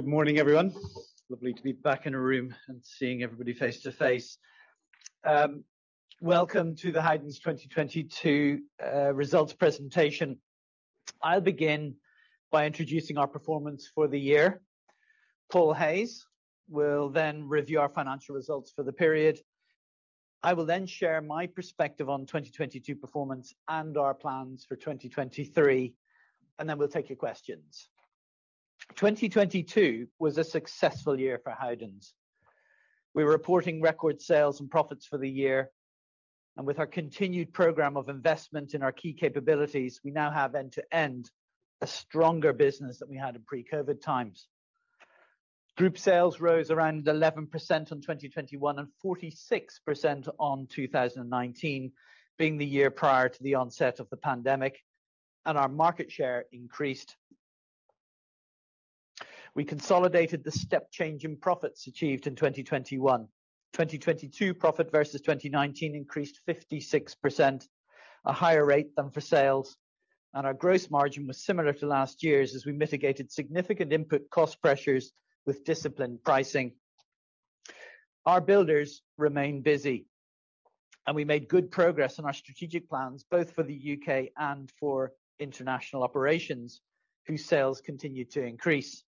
Good morning, everyone. It's lovely to be back in a room and seeing everybody face-to-face. Welcome to the Howdens 2022 results presentation. I'll begin by introducing our performance for the year. Paul Hayes will then review our financial results for the period. I will then share my perspective on 2022 performance and our plans for 2023, and then we'll take your questions. 2022 was a successful year for Howdens. We're reporting record sales and profits for the year and with our continued program of investment in our key capabilities, we now have end-to-end a stronger business than we had in pre-COVID times. Group sales rose around 11% on 2021 and 46% on 2019, being the year prior to the onset of the pandemic, and our market share increased. We consolidated the step change in profits achieved in 2021. 2022 profit versus 2019 increased 56%, a higher rate than for sales. Our gross margin was similar to last year's as we mitigated significant input cost pressures with disciplined pricing. Our builders remain busy, and we made good progress on our strategic plans both for the U.K. and for international operations, whose sales continued to increase.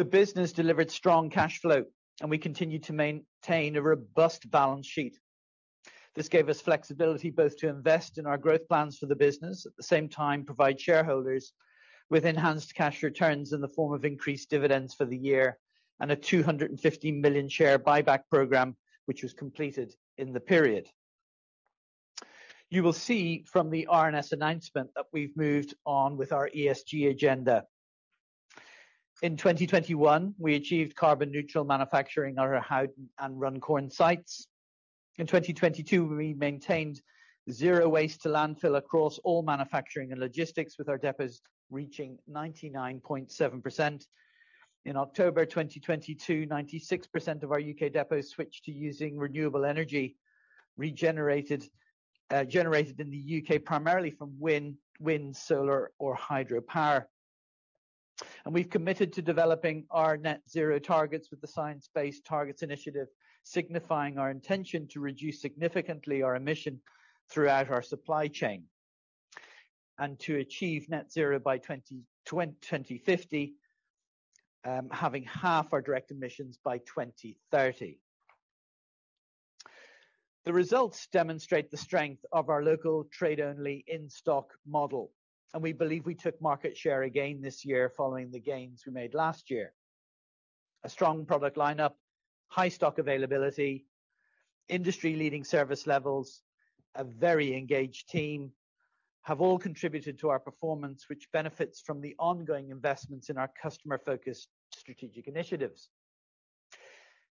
The business delivered strong cash flow, and we continued to maintain a robust balance sheet. This gave us flexibility both to invest in our growth plans for the business, at the same time provide shareholders with enhanced cash returns in the form of increased dividends for the year and a 250 million share buyback program, which was completed in the period. You will see from the RNS announcement that we've moved on with our ESG agenda. In 2021, we achieved carbon neutral manufacturing at our Howden and Runcorn sites. In 2022, we maintained zero waste to landfill across all manufacturing and logistics, with our depots reaching 99.7%. In October 2022, 96% of our U.K. depots switched to using renewable energy regenerated, generated in the U.K. primarily from wind, solar or hydropower. We've committed to developing our net zero targets with the Science Based Targets initiative, signifying our intention to reduce significantly our emission throughout our supply chain and to achieve net zero by 2050, halving half our direct emissions by 2030. The results demonstrate the strength of our local trade only in-stock model, and we believe we took market share again this year following the gains we made last year. A strong product line-up, high stock availability, industry-leading service levels, a very engaged team have all contributed to our performance, which benefits from the ongoing investments in our customer-focused strategic initiatives.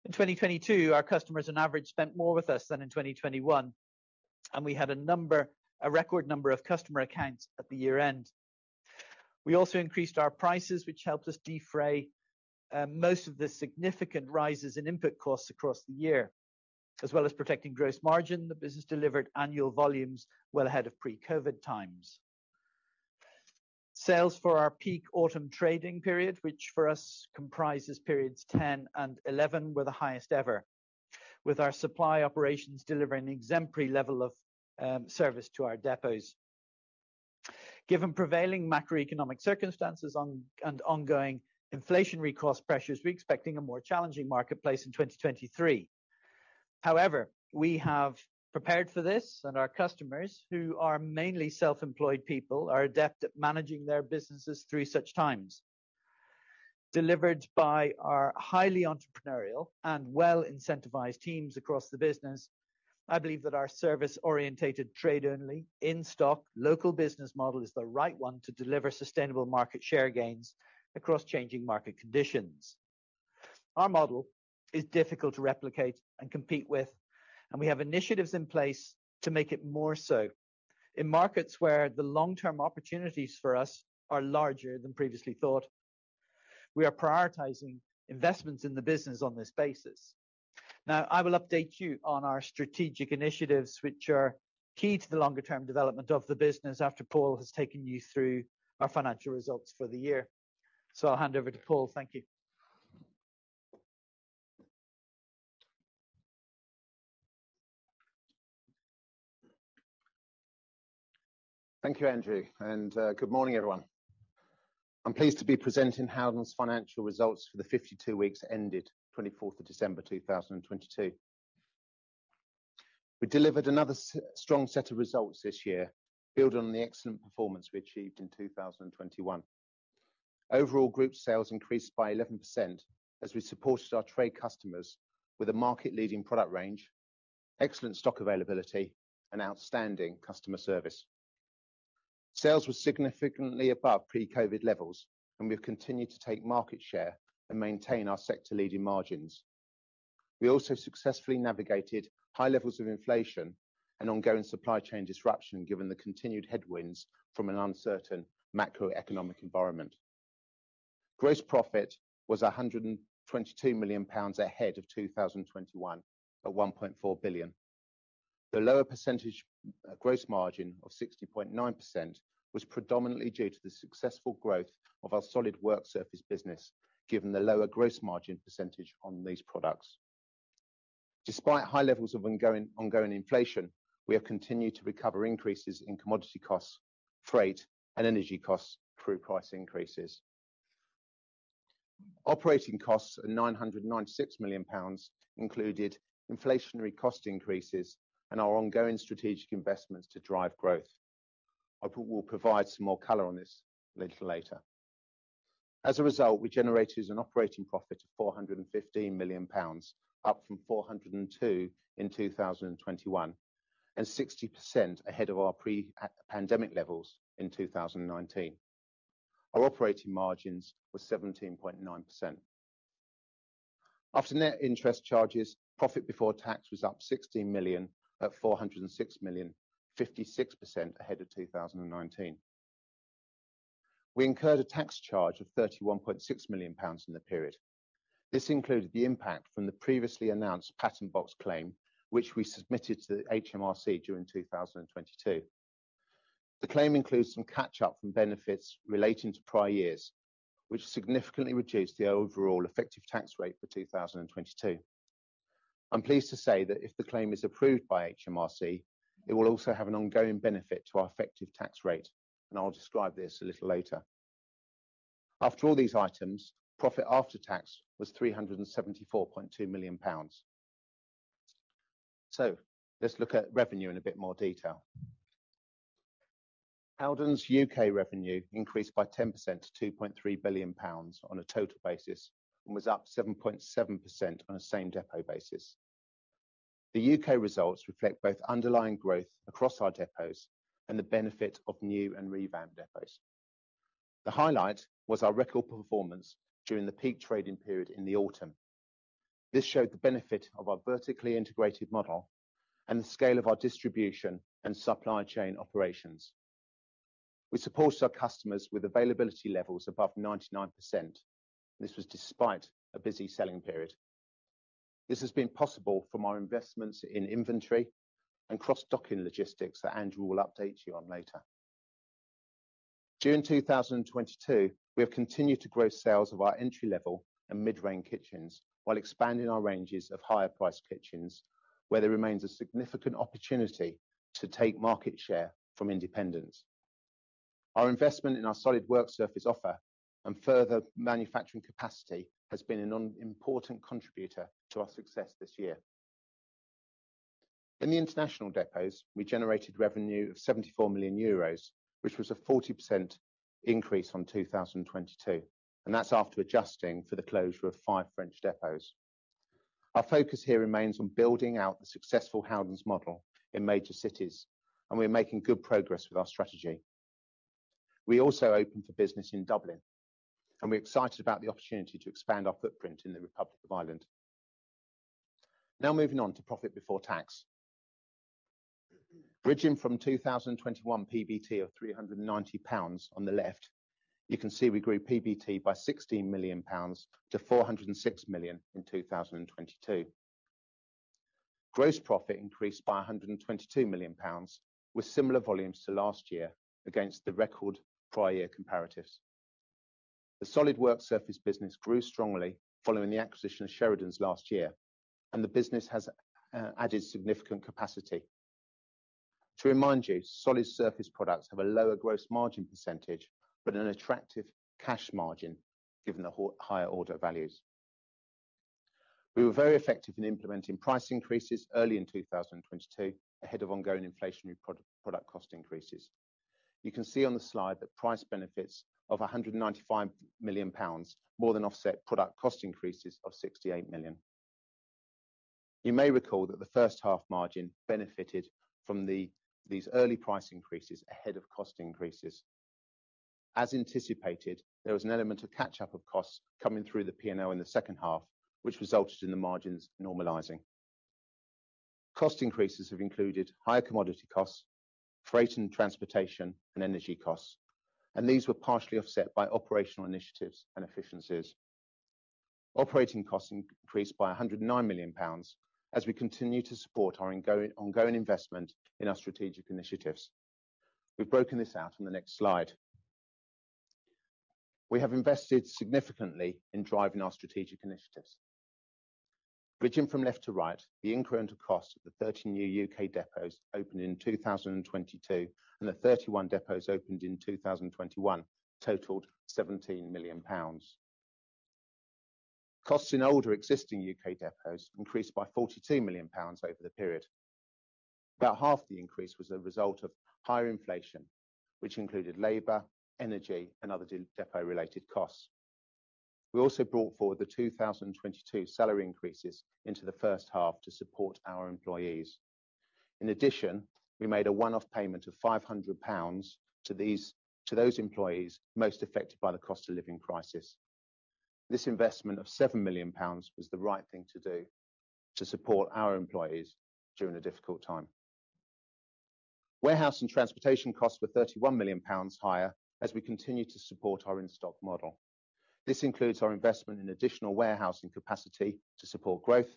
In 2022, our customers on average spent more with us than in 2021. We had a record number of customer accounts at the year-end. We also increased our prices, which helped us defray most of the significant rises in input costs across the year. As well as protecting gross margin, the business delivered annual volumes well ahead of pre-COVID times. Sales for our peak autumn trading period, which for us comprises periods 10 and 11, were the highest ever, with our supply operations delivering exemplary level of service to our depots. Given prevailing macroeconomic circumstances and ongoing inflationary cost pressures, we're expecting a more challenging marketplace in 2023. We have prepared for this and our customers, who are mainly self-employed people, are adept at managing their businesses through such times. Delivered by our highly entrepreneurial and well-incentivized teams across the business, I believe that our service-orientated trade only in-stock local business model is the right one to deliver sustainable market share gains across changing market conditions. Our model is difficult to replicate and compete with, and we have initiatives in place to make it more so. In markets where the long-term opportunities for us are larger than previously thought, we are prioritizing investments in the business on this basis. I will update you on our strategic initiatives which are key to the longer term development of the business after Paul has taken you through our financial results for the year. I'll hand over to Paul. Thank you. Thank you, Andrew, and good morning, everyone. I'm pleased to be presenting Howdens' financial results for the 52 weeks ended 24th of December 2022. We delivered another strong set of results this year, building on the excellent performance we achieved in 2021. Overall, group sales increased by 11% as we supported our trade customers with a market leading product range, excellent stock availability and outstanding customer service. Sales were significantly above pre-COVID levels, and we've continued to take market share and maintain our sector leading margins. We also successfully navigated high levels of inflation and ongoing supply chain disruption, given the continued headwinds from an uncertain macroeconomic environment. Gross profit was 122 million pounds ahead of 2021 at 1.4 billion. The lower percentage gross margin of 60.9% was predominantly due to the successful growth of our solid work surface business, given the lower gross margin percentage on these products. Despite high levels of ongoing inflation, we have continued to recover increases in commodity costs, freight, and energy costs through price increases. Operating costs at 996 million pounds included inflationary cost increases and our ongoing strategic investments to drive growth. I will provide some more color on this a little later. As a result, we generated an operating profit of 415 million pounds, up from 402 in 2021, and 60% ahead of our pre-pandemic levels in 2019. Our operating margins were 17.9%. After net interest charges, profit before tax was up 16 million, at 406 million, 56% ahead of 2019. We incurred a tax charge of 31.6 million pounds in the period. This included the impact from the previously announced Patent Box claim, which we submitted to the HMRC during 2022. The claim includes some catch-up from benefits relating to prior years, which significantly reduced the overall effective tax rate for 2022. I'm pleased to say that if the claim is approved by HMRC, it will also have an ongoing benefit to our effective tax rate, and I'll describe this a little later. After all these items, profit after tax was 374.2 million pounds. Let's look at revenue in a bit more detail. Howdens U.K. Revenue increased by 10% to 2.3 billion pounds on a total basis and was up 7.7% on a same depot basis. The U.K. Results reflect both underlying growth across our depots and the benefit of new and revamped depots. The highlight was our record performance during the peak trading period in the autumn. This showed the benefit of our vertically integrated model and the scale of our distribution and supply chain operations. We supported our customers with availability levels above 99%. This was despite a busy selling period. This has been possible from our investments in inventory and cross-docking logistics that Andrew will update you on later. During 2022, we have continued to grow sales of our entry-level and mid-range kitchens while expanding our ranges of higher priced kitchens, where there remains a significant opportunity to take market share from independents. Our investment in our solid work surface offer and further manufacturing capacity has been an important contributor to our success this year. In the international depots, we generated revenue of 74 million euros, which was a 40% increase on 2022, and that's after adjusting for the closure of five French depots. Our focus here remains on building out the successful Howdens model in major cities, and we're making good progress with our strategy. We also opened for business in Dublin, and we're excited about the opportunity to expand our footprint in the Republic of Ireland. Moving on to profit before tax. Bridging from 2021 PBT of 390 million pounds on the left, you can see we grew PBT by 16 million pounds to 406 million in 2022. Gross profit increased by 122 million pounds, with similar volumes to last year against the record prior year comparatives. The solid work surface business grew strongly following the acquisition of Sheridan's last year, the business has added significant capacity. To remind you, solid surface products have a lower gross margin percentage but an attractive cash margin given the higher order values. We were very effective in implementing price increases early in 2022 ahead of ongoing inflationary product cost increases. You can see on the slide that price benefits of 195 million pounds more than offset product cost increases of 68 million. You may recall that the first half margin benefited from these early price increases ahead of cost increases. As anticipated, there was an element of catch-up of costs coming through the P&L in the second half, which resulted in the margins normalizing. Cost increases have included higher commodity costs, freight and transportation, and energy costs, and these were partially offset by operational initiatives and efficiencies. Operating costs increased by 109 million pounds as we continue to support our ongoing investment in our strategic initiatives. We've broken this out on the next slide. We have invested significantly in driving our strategic initiatives. Bridging from left to right, the incremental cost of the 13 new U.K. Depots opened in 2022 and the 31 depots opened in 2021 totaled 17 million pounds. Costs in older existing U.K. Depots increased by 42 million pounds over the period. About half the increase was a result of higher inflation, which included labor, energy, and other depot related costs. We also brought forward the 2022 salary increases into the first half to support our employees. In addition, we made a one-off payment of 500 pounds to those employees most affected by the cost of living crisis. This investment of 7 million pounds was the right thing to do to support our employees during a difficult time. Warehouse and transportation costs were 31 million pounds higher as we continue to support our in-stock model. This includes our investment in additional warehousing capacity to support growth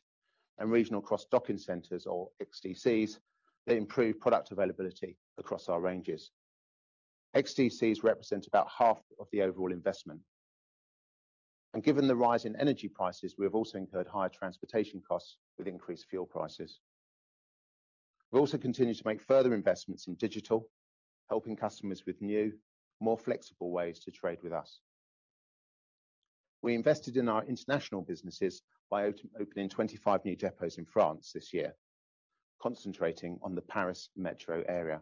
and regional cross-docking centers or XDCs that improve product availability across our ranges. XDCs represent about half of the overall investment. Given the rise in energy prices, we have also incurred higher transportation costs with increased fuel prices. We've also continued to make further investments in digital, helping customers with new, more flexible ways to trade with us. We invested in our international businesses by opening 25 new depots in France this year, concentrating on the Paris metro area.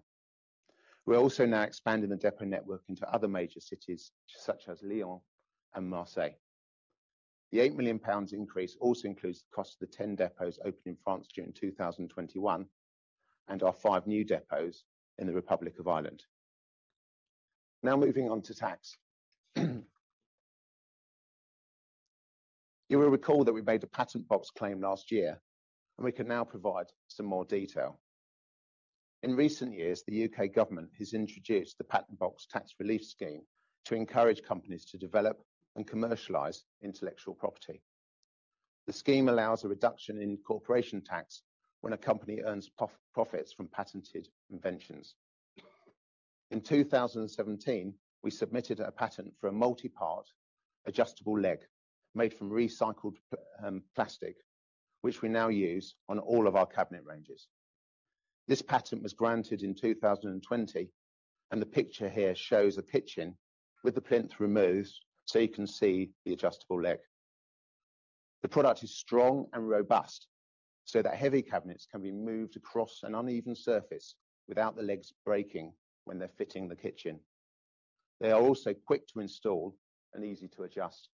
We're also now expanding the depot network into other major cities such as Lyon and Marseille. The 8 million pounds increase also includes the cost of the 10 depots opened in France during 2021, and our five new depots in the Republic of Ireland. Moving on to tax. You will recall that we made a Patent Box claim last year, and we can now provide some more detail. In recent years, the U.K. government has introduced the Patent Box tax relief scheme to encourage companies to develop and commercialize intellectual property. The scheme allows a reduction in corporation tax when a company earns profits from patented inventions. In 2017, we submitted a patent for a multi-part adjustable leg made from recycled plastic, which we now use on all of our cabinet ranges. This patent was granted in 2020, and the picture here shows a kitchen with the plinth removed, so you can see the adjustable leg. The product is strong and robust so that heavy cabinets can be moved across an uneven surface without the legs breaking when they're fitting the kitchen. They are also quick to install and easy to adjust.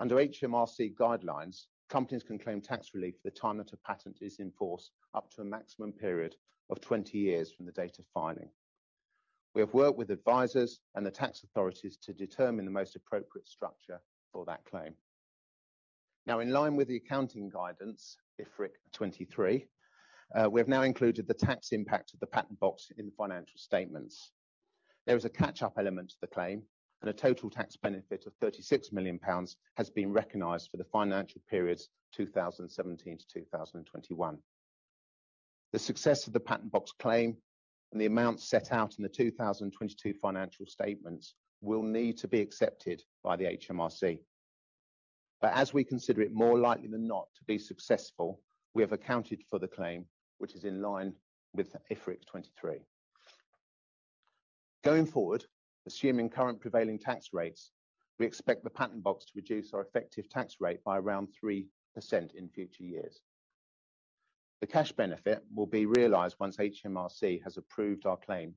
Under HMRC guidelines, companies can claim tax relief for the time that a patent is in force, up to a maximum period of 20 years from the date of filing. We have worked with advisors and the tax authorities to determine the most appropriate structure for that claim. In line with the accounting guidance, IFRIC 23, we've now included the tax impact of the Patent Box in the financial statements. There is a catch-up element to the claim, and a total tax benefit of 36 million pounds has been recognized for the financial periods 2017 to 2021. The success of the Patent Box claim and the amount set out in the 2022 financial statements will need to be accepted by the HMRC. As we consider it more likely than not to be successful, we have accounted for the claim which is in line with IFRIC 23. Going forward, assuming current prevailing tax rates, we expect the Patent Box to reduce our effective tax rate by around 3% in future years. The cash benefit will be realized once HMRC has approved our claim,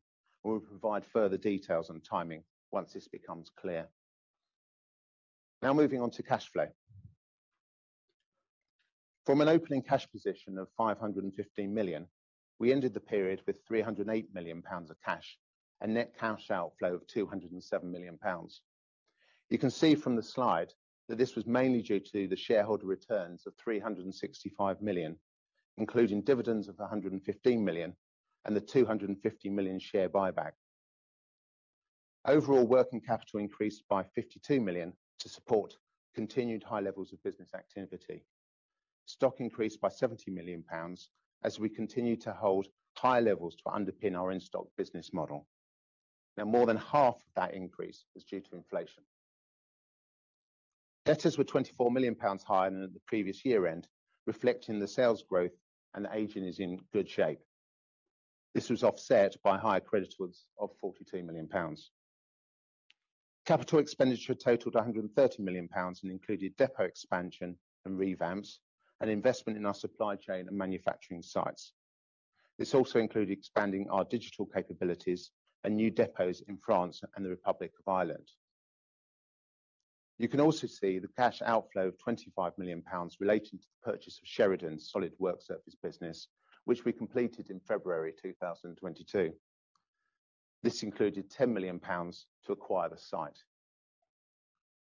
and we'll provide further details on timing once this becomes clear. Moving on to cash flow. From an opening cash position of 515 million, we ended the period with 308 million pounds of cash and net cash outflow of 207 million pounds. You can see from the slide that this was mainly due to the shareholder returns of 365 million, including dividends of 115 million and the 250 million share buyback. Overall working capital increased by 52 million to support continued high levels of business activity. Stock increased by 70 million pounds as we continue to hold high levels to underpin our in-stock business model. More than half of that increase was due to inflation. Debtors were GBP 24 million higher than at the previous year-end, reflecting the sales growth and aging is in good shape. This was offset by higher creditors of 42 million pounds. Capital expenditure totaled 130 million pounds and included depot expansion and revamps and investment in our supply chain and manufacturing sites. This also included expanding our digital capabilities and new depots in France and the Republic of Ireland. You can also see the cash outflow of 25 million pounds relating to the purchase of Sheridan's solid work surface business, which we completed in February 2022. This included 10 million pounds to acquire the site.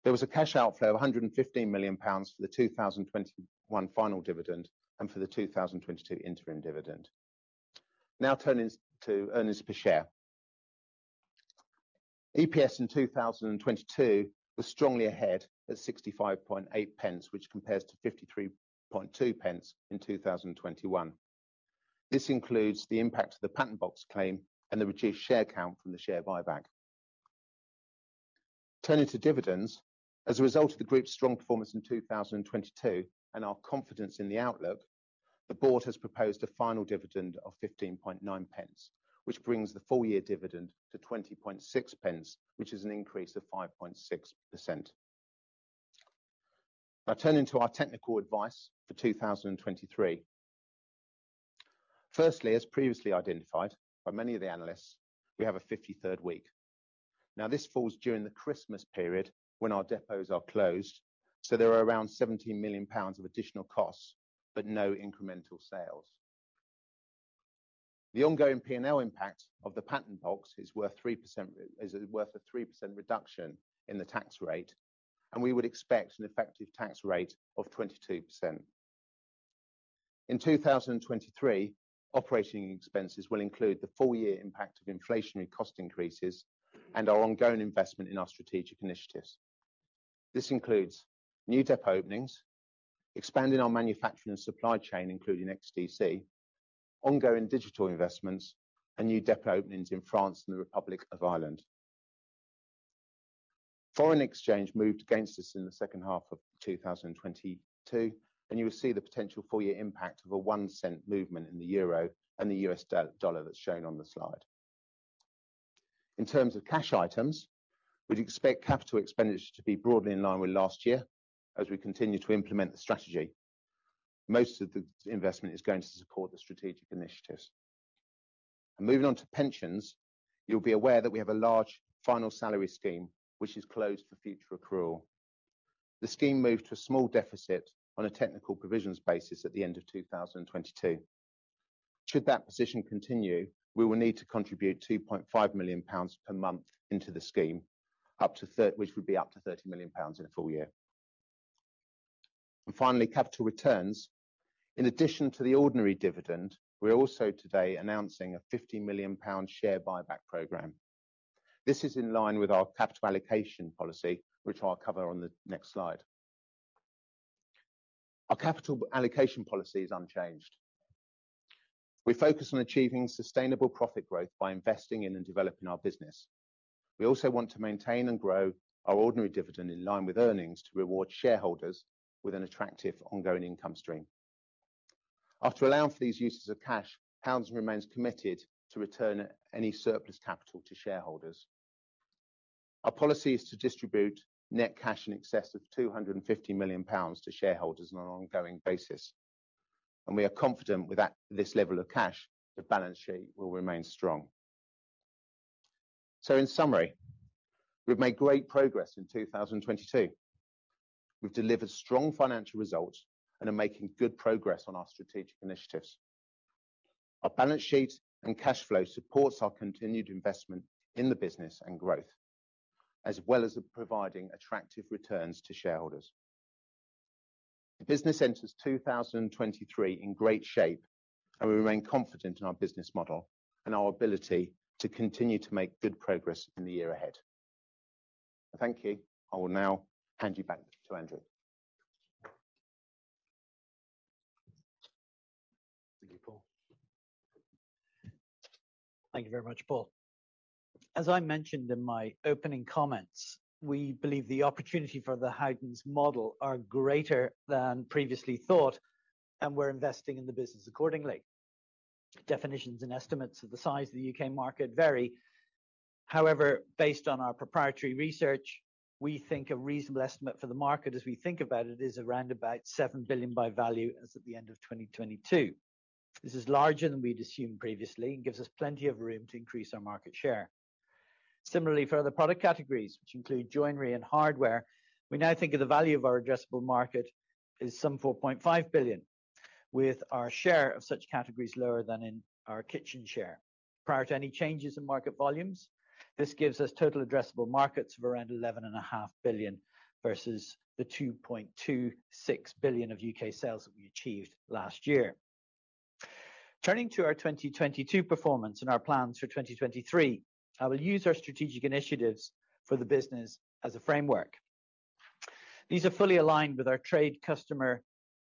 There was a cash outflow of 115 million pounds for the 2021 final dividend and for the 2022 interim dividend. Turning to earnings per share. EPS in 2022 was strongly ahead at 0.658, which compares to 0.532 in 2021. This includes the impact of the Patent Box claim and the reduced share count from the share buyback. Turning to dividends. As a result of the group's strong performance in 2022 and our confidence in the outlook, the board has proposed a final dividend of 0.159, which brings the full year dividend to 0.206, which is an increase of 5.6%. Turning to our technical advice for 2023. Firstly, as previously identified by many of the analysts, we have a 53rd week. This falls during the Christmas period when our depots are closed. There are around 17 million pounds of additional costs, but no incremental sales. The ongoing P&L impact of the Patent Box is worth a 3% reduction in the tax rate, and we would expect an effective tax rate of 22%. In 2023, operating expenses will include the full year impact of inflationary cost increases and our ongoing investment in our strategic initiatives. This includes new depot openings, expanding our manufacturing and supply chain, including XDC, ongoing digital investments and new depot openings in France and the Republic of Ireland. Foreign exchange moved against us in the second half of 2022. You will see the potential full year impact of a 0.01 movement in the EUR and the U.S. dollar that's shown on the slide. In terms of cash items, we'd expect capital expenditure to be broadly in line with last year as we continue to implement the strategy. Most of the investment is going to support the strategic initiatives. Moving on to pensions, you'll be aware that we have a large final salary scheme which is closed for future accrual. The scheme moved to a small deficit on a technical provisions basis at the end of 2022. Should that position continue, we will need to contribute 2.5 million pounds per month into the scheme, which would be up to 30 million pounds in a full year. Finally, capital returns. In addition to the ordinary dividend, we're also today announcing a 50 million pound share buyback program. This is in line with our capital allocation policy, which I'll cover on the next slide. Our capital allocation policy is unchanged. We focus on achieving sustainable profit growth by investing in and developing our business. We also want to maintain and grow our ordinary dividend in line with earnings to reward shareholders with an attractive ongoing income stream. After allowing for these uses of cash, Howdens remains committed to return any surplus capital to shareholders. Our policy is to distribute net cash in excess of 250 million pounds to shareholders on an ongoing basis, and we are confident with that, this level of cash, the balance sheet will remain strong. In summary, we've made great progress in 2022. We've delivered strong financial results and are making good progress on our strategic initiatives. Our balance sheet and cash flow supports our continued investment in the business and growth, as well as providing attractive returns to shareholders. The business enters 2023 in great shape, and we remain confident in our business model and our ability to continue to make good progress in the year ahead. Thank you. I will now hand you back to Andrew. Thank you, Paul. Thank you very much, Paul. As I mentioned in my opening comments, we believe the opportunity for the Howdens model are greater than previously thought, and we're investing in the business accordingly. Definitions and estimates of the size of the U.K. market vary. However, based on our proprietary research, we think a reasonable estimate for the market as we think about it is around about 7 billion by value as at the end of 2022. This is larger than we'd assumed previously and gives us plenty of room to increase our market share. Similarly, for other product categories, which include joinery and hardware, we now think of the value of our addressable market as some 4.5 billion, with our share of such categories lower than in our kitchen share. Prior to any changes in market volumes, this gives us total addressable markets of around 11.5 billion versus the 2.26 billion of U.K. Sales that we achieved last year. Turning to our 2022 performance and our plans for 2023, I will use our strategic initiatives for the business as a framework. These are fully aligned with our trade customer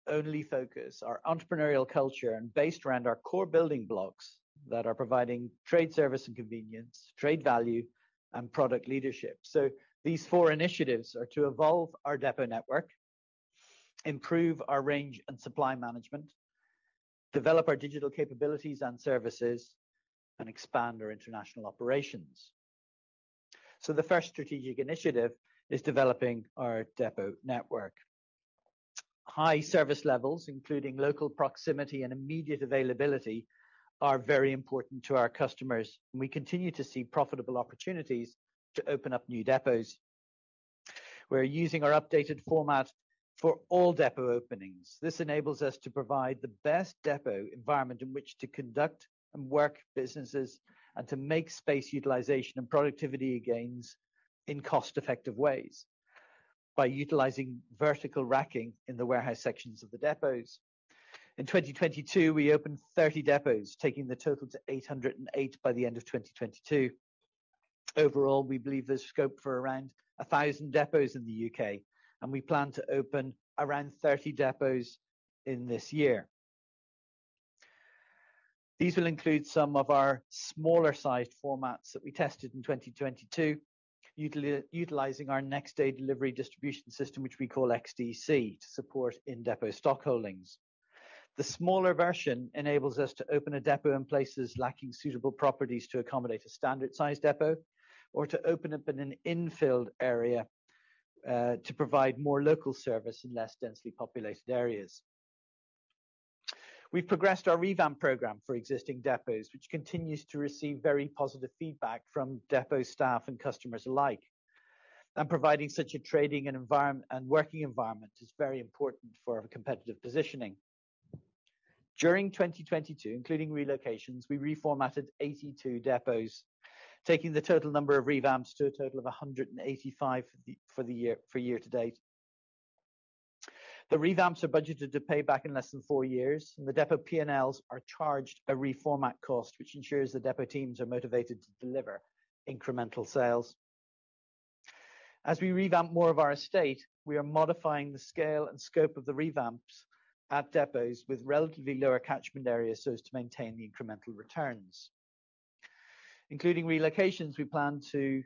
only focus, our entrepreneurial culture, and based around our core building blocks that are providing trade service and convenience, trade value, and product leadership. These four initiatives are to evolve our depot network, improve our range and supply management, develop our digital capabilities and services, and expand our international operations. The first strategic initiative is developing our depot network. High service levels, including local proximity and immediate availability, are very important to our customers, and we continue to see profitable opportunities to open up new depots. We're using our updated format for all depot openings. This enables us to provide the best depot environment in which to conduct and work businesses and to make space utilization and productivity gains in cost-effective ways by utilizing vertical racking in the warehouse sections of the depots. In 2022, we opened 30 depots, taking the total to 808 by the end of 2022. Overall, we believe there's scope for around 1,000 depots in the U.K., and we plan to open around 30 depots in this year. These will include some of our smaller sized formats that we tested in 2022, utilizing our next day delivery distribution system, which we call XDC, to support in depot stock holdings. The smaller version enables us to open a depot in places lacking suitable properties to accommodate a standard-sized depot or to open up in an infilled area to provide more local service in less densely populated areas. We've progressed our revamp program for existing depots, which continues to receive very positive feedback from depot staff and customers alike. Providing such a trading and environment, and working environment is very important for our competitive positioning. During 2022, including relocations, we reformatted 82 depots, taking the total number of revamps to a total of 185 for the year-to-date. The revamps are budgeted to pay back in less than four years, and the depot P&Ls are charged a reformat cost, which ensures the depot teams are motivated to deliver incremental sales. As we revamp more of our estate, we are modifying the scale and scope of the revamps at depots with relatively lower catchment areas so as to maintain the incremental returns. Including relocations, we plan to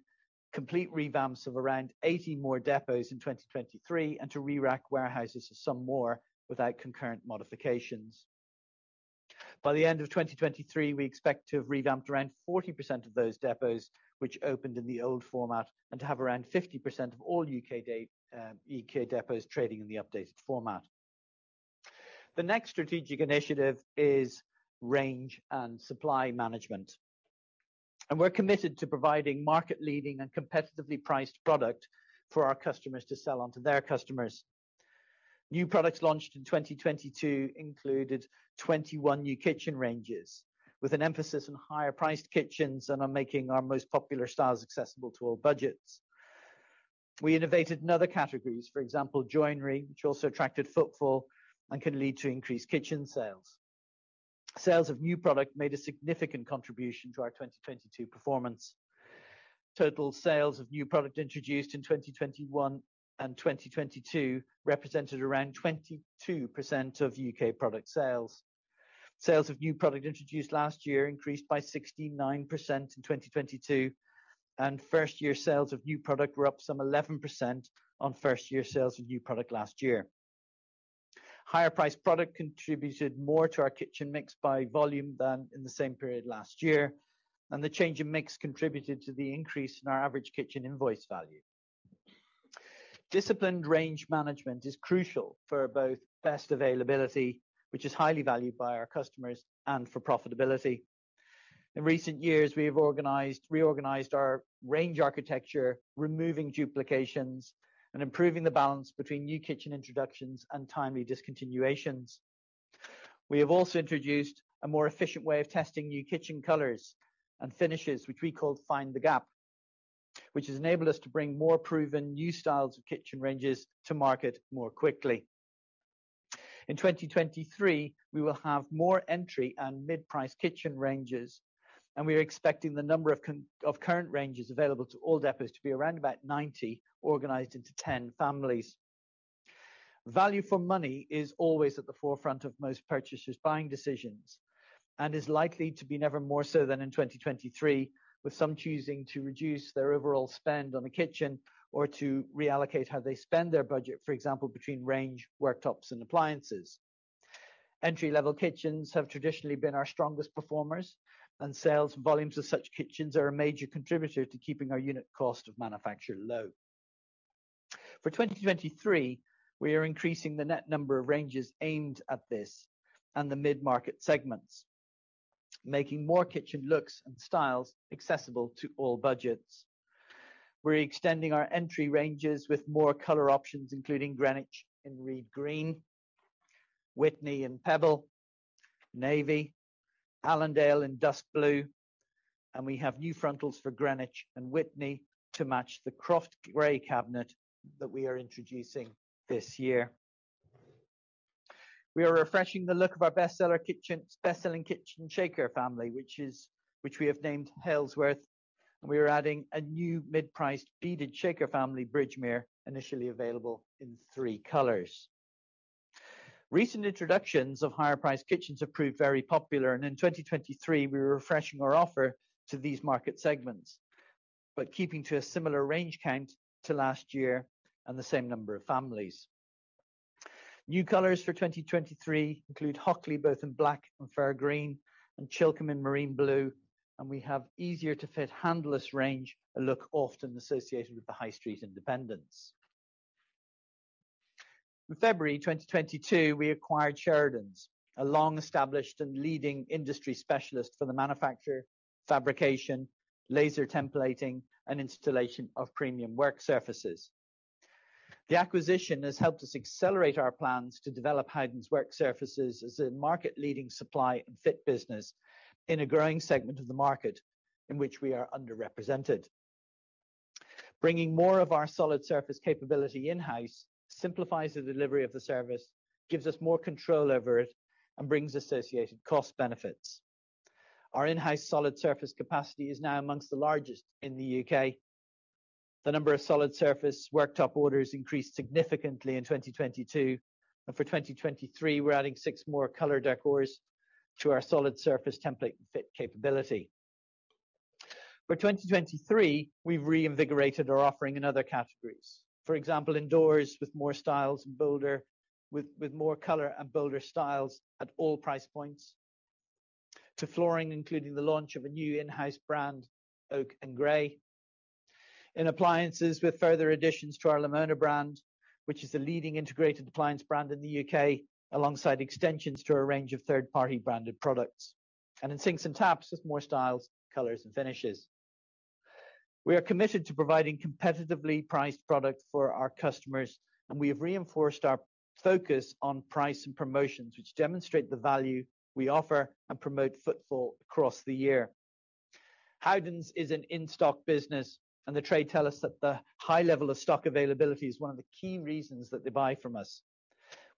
complete revamps of around 80 more depots in 2023 and to re-rack warehouses some more without concurrent modifications. By the end of 2023, we expect to have revamped around 40% of those depots which opened in the old format and to have around 50% of all U.K. depots trading in the updated format. The next strategic initiative is range and supply management, we're committed to providing market-leading and competitively priced product for our customers to sell on to their customers. New products launched in 2022 included 21 new kitchen ranges, with an emphasis on higher priced kitchens and on making our most popular styles accessible to all budgets. We innovated in other categories, for example, joinery, which also attracted footfall and can lead to increased kitchen sales. Sales of new product made a significant contribution to our 2022 performance. Total sales of new product introduced in 2021 and 2022 represented around 22% of U.K. product sales. Sales of new product introduced last year increased by 69% in 2022. First-year sales of new product were up some 11% on first-year sales of new product last year. Higher priced product contributed more to our kitchen mix by volume than in the same period last year. The change in mix contributed to the increase in our average kitchen invoice value. Disciplined range management is crucial for both best availability, which is highly valued by our customers, and for profitability. In recent years, we have reorganized our range architecture, removing duplications and improving the balance between new kitchen introductions and timely discontinuations. We have also introduced a more efficient way of testing new kitchen colors and finishes, which we call Find the Gap, which has enabled us to bring more proven new styles of kitchen ranges to market more quickly. In 2023, we will have more entry and mid-priced kitchen ranges. We are expecting the number of of current ranges available to all depots to be around about 90, organized into 10 families. Value for money is always at the forefront of most purchasers' buying decisions and is likely to be never more so than in 2023, with some choosing to reduce their overall spend on a kitchen or to reallocate how they spend their budget, for example, between range, worktops and appliances. Entry-level kitchens have traditionally been our strongest performers, and sales volumes of such kitchens are a major contributor to keeping our unit cost of manufacture low. For 2023, we are increasing the net number of ranges aimed at this and the mid-market segments, making more kitchen looks and styles accessible to all budgets. We're extending our entry ranges with more color options, including Greenwich in Reed Green, Witney in Pebble, Navy, Allendale in Dusk Blue, and we have new frontals for Greenwich and Witney to match the Croft Grey cabinet that we are introducing this year. We are refreshing the look of our bestselling kitchen Shaker family, which we have named Halesworth, and we are adding a new mid-priced beaded Shaker family, Bridgemere, initially available in three colors. Recent introductions of higher priced kitchens have proved very popular, and in 2023 we are refreshing our offer to these market segments but keeping to a similar range count to last year and the same number of families. New colors for 2023 include Hockley, both in black and Fair Green, and Chilcomb in Marine Blue, and we have easier to fit handleless range, a look often associated with the high street independents. In February 2022, we acquired Sheridans, a long-established and leading industry specialist for the manufacture, fabrication, laser templating and installation of premium work surfaces. The acquisition has helped us accelerate our plans to develop Howdens Work Surfaces as a market-leading supply and fit business in a growing segment of the market in which we are underrepresented. Bringing more of our solid surface capability in-house simplifies the delivery of the service, gives us more control over it, and brings associated cost benefits. Our in-house solid surface capacity is now amongst the largest in the U.K. The number of solid surface worktop orders increased significantly in 2022, and for 2023, we're adding six more color decors to our solid surface template fit capability. For 2023, we've reinvigorated our offering in other categories. For example, indoors with more styles and bolder with more color and bolder styles at all price points. To flooring, including the launch of a new in-house brand, Oake and Gray. In appliances with further additions to our Lamona brand, which is the leading integrated appliance brand in the U.K., alongside extensions to a range of third-party branded products. And in sinks and taps, with more styles, colors and finishes. We are committed to providing competitively priced product for our customers. We have reinforced our focus on price and promotions, which demonstrate the value we offer and promote footfall across the year. Howdens is an in-stock business. The trade tell us that the high level of stock availability is one of the key reasons that they buy from us.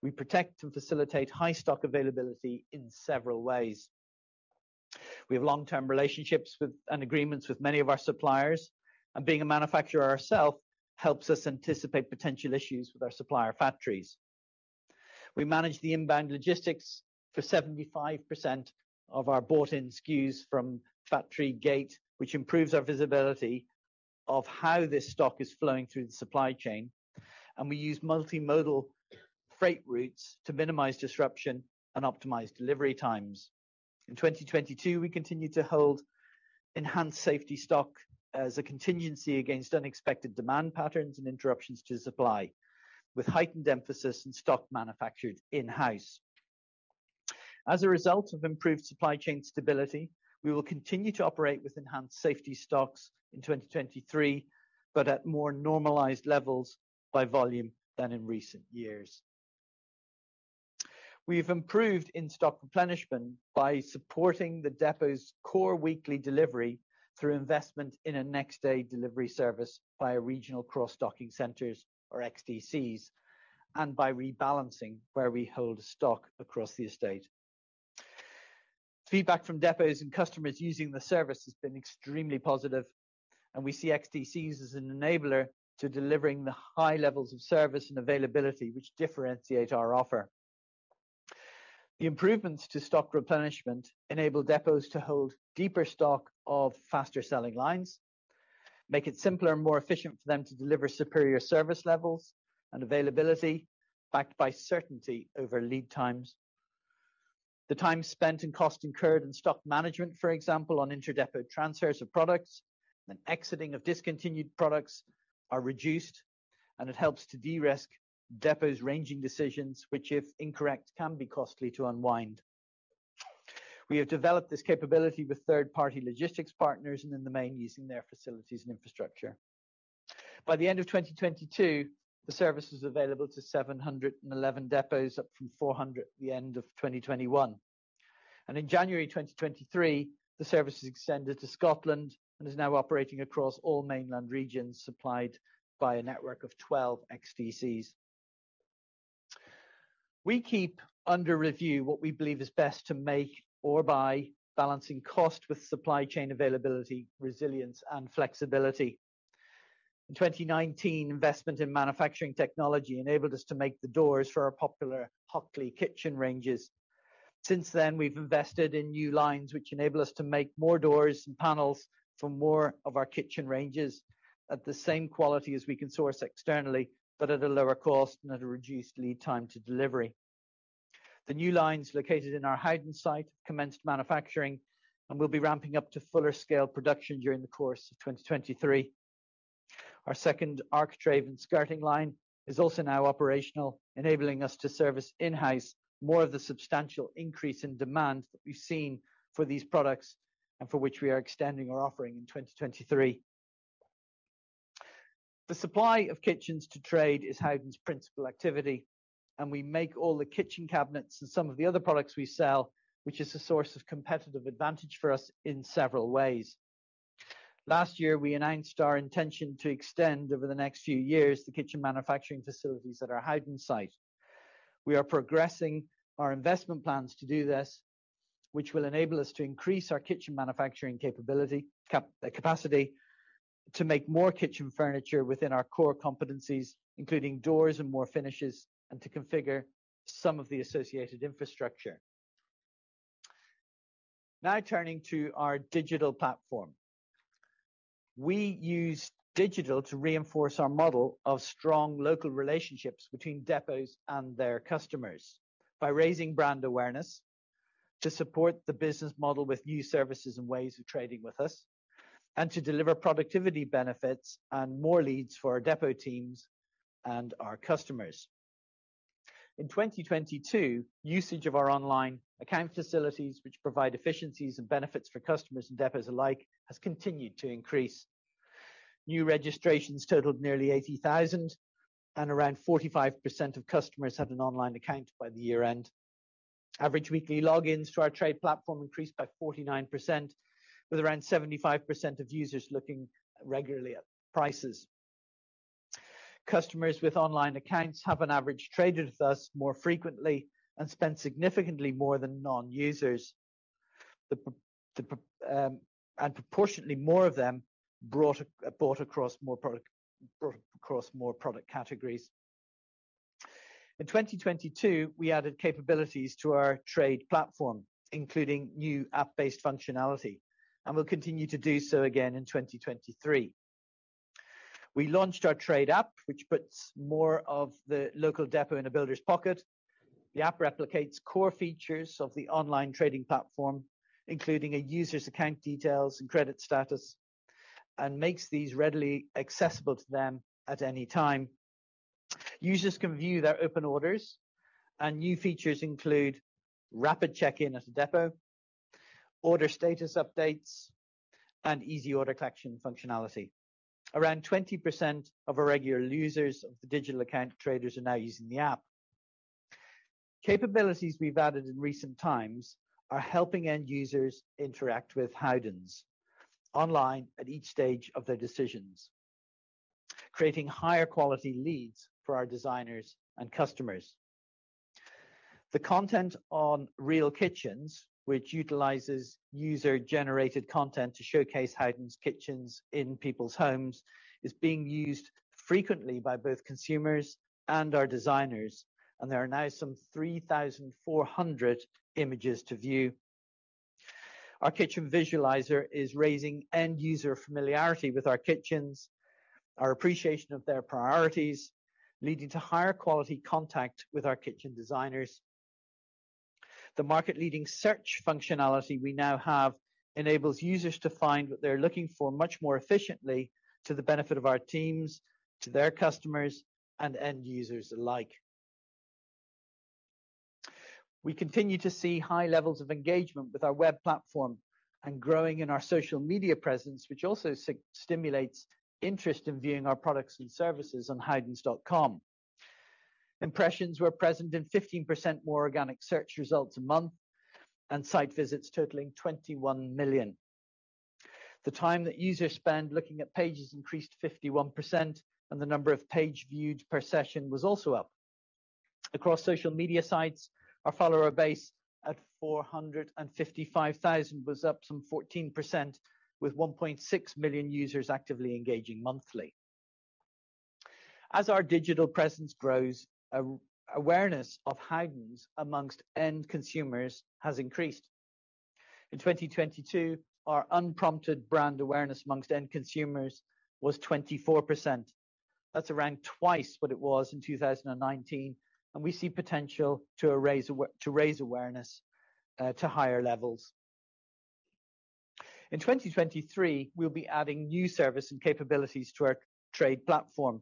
We protect and facilitate high stock availability in several ways. We have long-term relationships with and agreements with many of our suppliers. Being a manufacturer ourself helps us anticipate potential issues with our supplier factories. We manage the inbound logistics for 75% of our bought-in SKUs from factory gate, which improves our visibility of how this stock is flowing through the supply chain. We use multimodal freight routes to minimize disruption and optimize delivery times. In 2022, we continued to hold enhanced safety stock as a contingency against unexpected demand patterns and interruptions to supply, with heightened emphasis in stock manufactured in-house. As a result of improved supply chain stability, we will continue to operate with enhanced safety stocks in 2023, but at more normalized levels by volume than in recent years. We've improved in-stock replenishment by supporting the depot's core weekly delivery through investment in a next-day delivery service by regional cross-docking centers or XDCs, and by rebalancing where we hold stock across the estate. Feedback from depots and customers using the service has been extremely positive, and we see XDCs as an enabler to delivering the high levels of service and availability which differentiate our offer. The improvements to stock replenishment enable depots to hold deeper stock of faster selling lines, make it simpler and more efficient for them to deliver superior service levels and availability, backed by certainty over lead times. The time spent and cost incurred in-stock management, for example, on inter-depot transfers of products and exiting of discontinued products are reduced, and it helps to de-risk depot's ranging decisions, which, if incorrect, can be costly to unwind. We have developed this capability with third-party logistics partners and in the main using their facilities and infrastructure. By the end of 2022, the service was available to 711 depots, up from 400 at the end of 2021. In January 2023, the service is extended to Scotland and is now operating across all mainland regions supplied by a network of 12 XDCs. We keep under review what we believe is best to make or buy, balancing cost with supply chain availability, resilience, and flexibility. In 2019, investment in manufacturing technology enabled us to make the doors for our popular Hockley kitchen ranges. Since then, we've invested in new lines which enable us to make more doors and panels for more of our kitchen ranges at the same quality as we can source externally, but at a lower cost and at a reduced lead time to delivery. The new lines located in our Howden site commenced manufacturing and will be ramping up to fuller scale production during the course of 2023. Our second architrave and skirting line is also now operational, enabling us to service in-house more of the substantial increase in demand that we've seen for these products and for which we are extending our offering in 2023. The supply of kitchens to trade is Howdens' principal activity, We make all the kitchen cabinets and some of the other products we sell, which is a source of competitive advantage for us in several ways. Last year, we announced our intention to extend over the next few years the kitchen manufacturing facilities at our Howden site. We are progressing our investment plans to do this, which will enable us to increase our kitchen manufacturing capability, capacity to make more kitchen furniture within our core competencies, including doors and more finishes, and to configure some of the associated infrastructure. Turning to our digital platform. We use digital to reinforce our model of strong local relationships between depots and their customers by raising brand awareness to support the business model with new services and ways of trading with us, and to deliver productivity benefits and more leads for our depot teams and our customers. In 2022, usage of our online account facilities, which provide efficiencies and benefits for customers and depots alike, has continued to increase. New registrations totaled nearly 80,000, and around 45% of customers had an online account by the year-end. Average weekly logins to our trade platform increased by 49%, with around 75% of users looking regularly at prices. Customers with online accounts have on average traded with us more frequently and spent significantly more than non-users. Proportionately more of them bought across more product categories. In 2022, we added capabilities to our trade platform, including new app-based functionality, and we'll continue to do so again in 2023. We launched our trade app, which puts more of the local depot in a builder's pocket. The app replicates core features of the online trading platform, including a user's account details and credit status, and makes these readily accessible to them at any time. Users can view their open orders, and new features include rapid check-in at a depot, order status updates, and easy order collection functionality. Around 20% of our regular users of the digital account traders are now using the app. Capabilities we've added in recent times are helping end users interact with Howdens online at each stage of their decisions, creating higher quality leads for our designers and customers. The content on Real Kitchens, which utilizes user-generated content to showcase Howdens kitchens in people's homes, is being used frequently by both consumers and our designers, and there are now some 3,400 images to view. Our kitchen visualizer is raising end user familiarity with our kitchens, our appreciation of their priorities, leading to higher quality contact with our kitchen designers. The market-leading search functionality we now have enables users to find what they're looking for much more efficiently to the benefit of our teams, to their customers and end users alike. We continue to see high levels of engagement with our web platform and growing in our social media presence, which also stimulates interest in viewing our products and services on howdens.com. Impressions were present in 15% more organic search results a month and site visits totaling 21 million. The time that users spend looking at pages increased 51%, and the number of page views per session was also up. Across social media sites, our follower base at 455,000 was up some 14%, with 1.6 million users actively engaging monthly. As our digital presence grows, awareness of Howdens amongst end consumers has increased. In 2022, our unprompted brand awareness amongst end consumers was 24%. That's around twice what it was in 2019, and we see potential to raise awareness to higher levels. In 2023, we'll be adding new service and capabilities to our trade platform,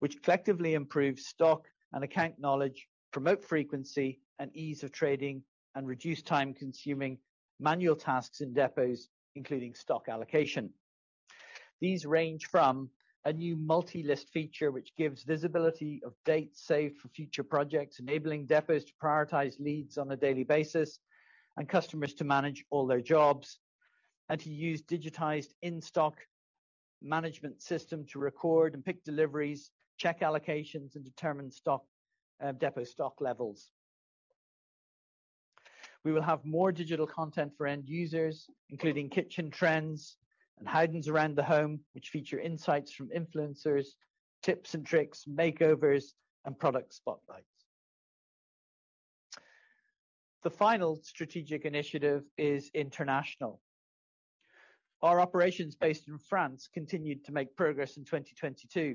which collectively improve stock and account knowledge, promote frequency and ease of trading, and reduce time-consuming manual tasks in depots, including stock allocation. These range from a new multi-list feature which gives visibility of dates saved for future projects, enabling depots to prioritize leads on a daily basis and customers to manage all their jobs, and to use digitized in-stock management system to record and pick deliveries, check allocations, and determine stock depot stock levels. We will have more digital content for end users, including kitchen trends and Howdens around the home, which feature insights from influencers, tips and tricks, makeovers and product spotlights. The final strategic initiative is international. Our operations based in France continued to make progress in 2022.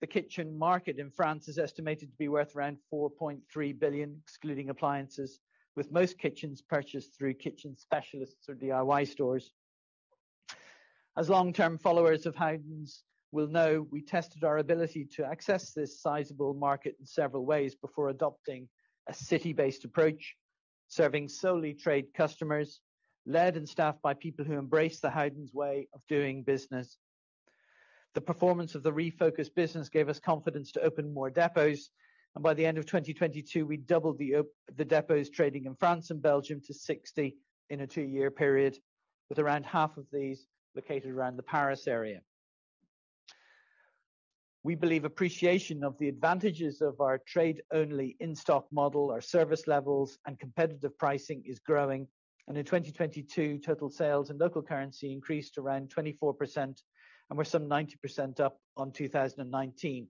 The kitchen market in France is estimated to be worth around 4.3 billion, excluding appliances, with most kitchens purchased through kitchen specialists or DIY stores. As long-term followers of Howdens will know, we tested our ability to access this sizable market in several ways before adopting a city-based approach, serving solely trade customers, led and staffed by people who embrace the Howdens way of doing business. The performance of the refocused business gave us confidence to open more depots, and by the end of 2022, we doubled the depots trading in France and Belgium to 60 in a 2-year period, with around half of these located around the Paris area. We believe appreciation of the advantages of our trade-only in-stock model, our service levels and competitive pricing is growing. In 2022, total sales and local currency increased around 24% and were some 90% up on 2019,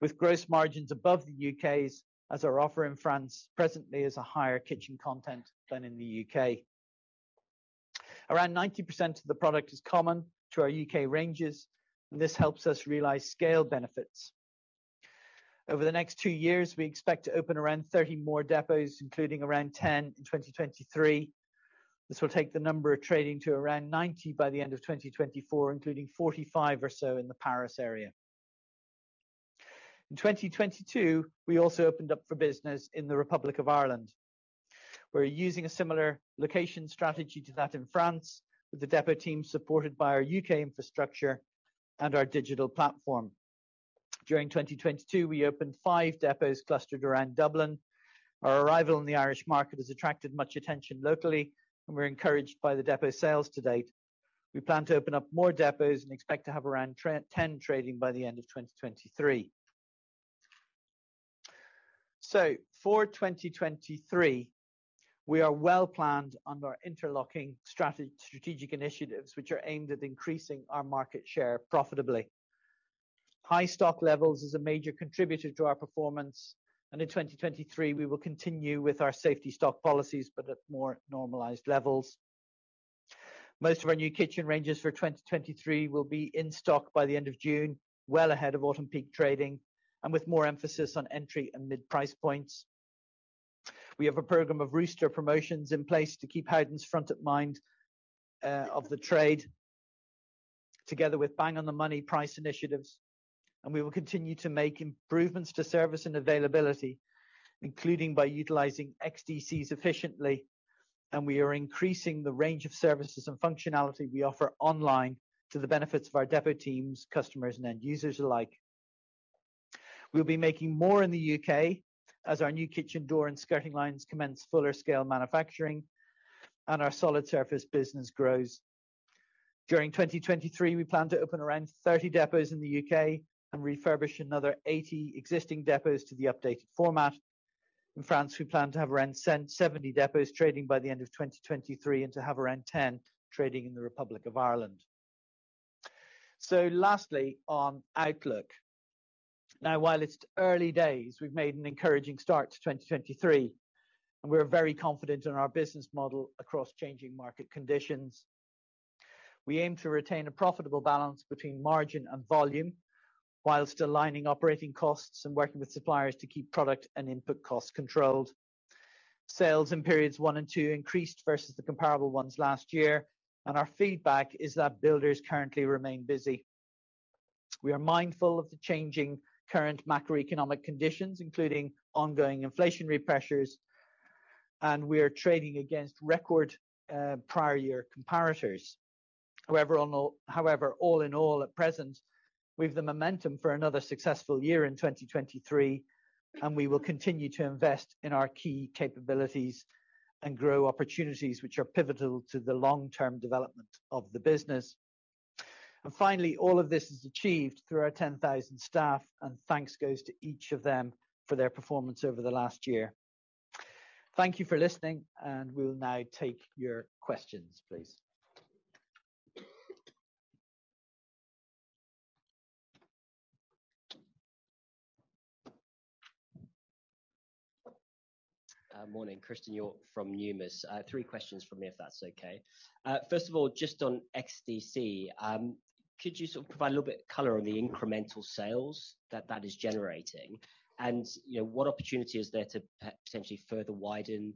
with gross margins above the U.K.'s as our offer in France presently is a higher kitchen content than in the U.K. Around 90% of the product is common to our U.K. ranges. This helps us realize scale benefits. Over the next two years, we expect to open around 30 more depots, including around 10 in 2023. This will take the number of trading to around 90 by the end of 2024, including 45 or so in the Paris area. In 2022, we also opened up for business in the Republic of Ireland. We're using a similar location strategy to that in France, with the depot team supported by our U.K. infrastructure and our digital platform. During 2022, we opened five depots clustered around Dublin. Our arrival in the Irish market has attracted much attention locally, we're encouraged by the depot sales to date. We plan to open up more depots and expect to have around 10 trading by the end of 2023. For 2023, we are well-planned under our interlocking strategic initiatives, which are aimed at increasing our market share profitably. High stock levels is a major contributor to our performance, in 2023 we will continue with our safety stock policies but at more normalized levels. Most of our new kitchen ranges for 2023 will be in stock by the end of June, well ahead of autumn peak trading and with more emphasis on entry and mid-price points. We have a program of Rooster promotions in place to keep Howdens front of mind of the trade, together with bang on the money price initiatives. We will continue to make improvements to service and availability, including by utilizing XDCs efficiently. We are increasing the range of services and functionality we offer online to the benefits of our depot teams, customers, and end users alike. We'll be making more in the U.K. as our new kitchen door and skirting lines commence fuller scale manufacturing and our solid surface business grows. During 2023, we plan to open around 30 depots in the U.K. and refurbish another 80 existing depots to the updated format. In France, we plan to have around 70 depots trading by the end of 2023 and to have around 10 trading in the Republic of Ireland. Lastly on outlook. While it's early days, we've made an encouraging start to 2023, and we're very confident in our business model across changing market conditions. We aim to retain a profitable balance between margin and volume while still aligning operating costs and working with suppliers to keep product and input costs controlled. Sales in periods one and two increased versus the comparable ones last year, and our feedback is that builders currently remain busy. We are mindful of the changing current macroeconomic conditions, including ongoing inflationary pressures, and we are trading against record prior year comparators. All in all, at present, we've the momentum for another successful year in 2023, and we will continue to invest in our key capabilities and grow opportunities which are pivotal to the long-term development of the business. Finally, all of this is achieved through our 10,000 staff, and thanks goes to each of them for their performance over the last year. Thank you for listening, and we'll now take your questions, please. Morning. Christen Hjorth from Numis. I have 3 questions from me, if that's okay. First of all, just on XDC, could you sort of provide a little bit of color on the incremental sales that that is generating? You know, what opportunity is there to potentially further widen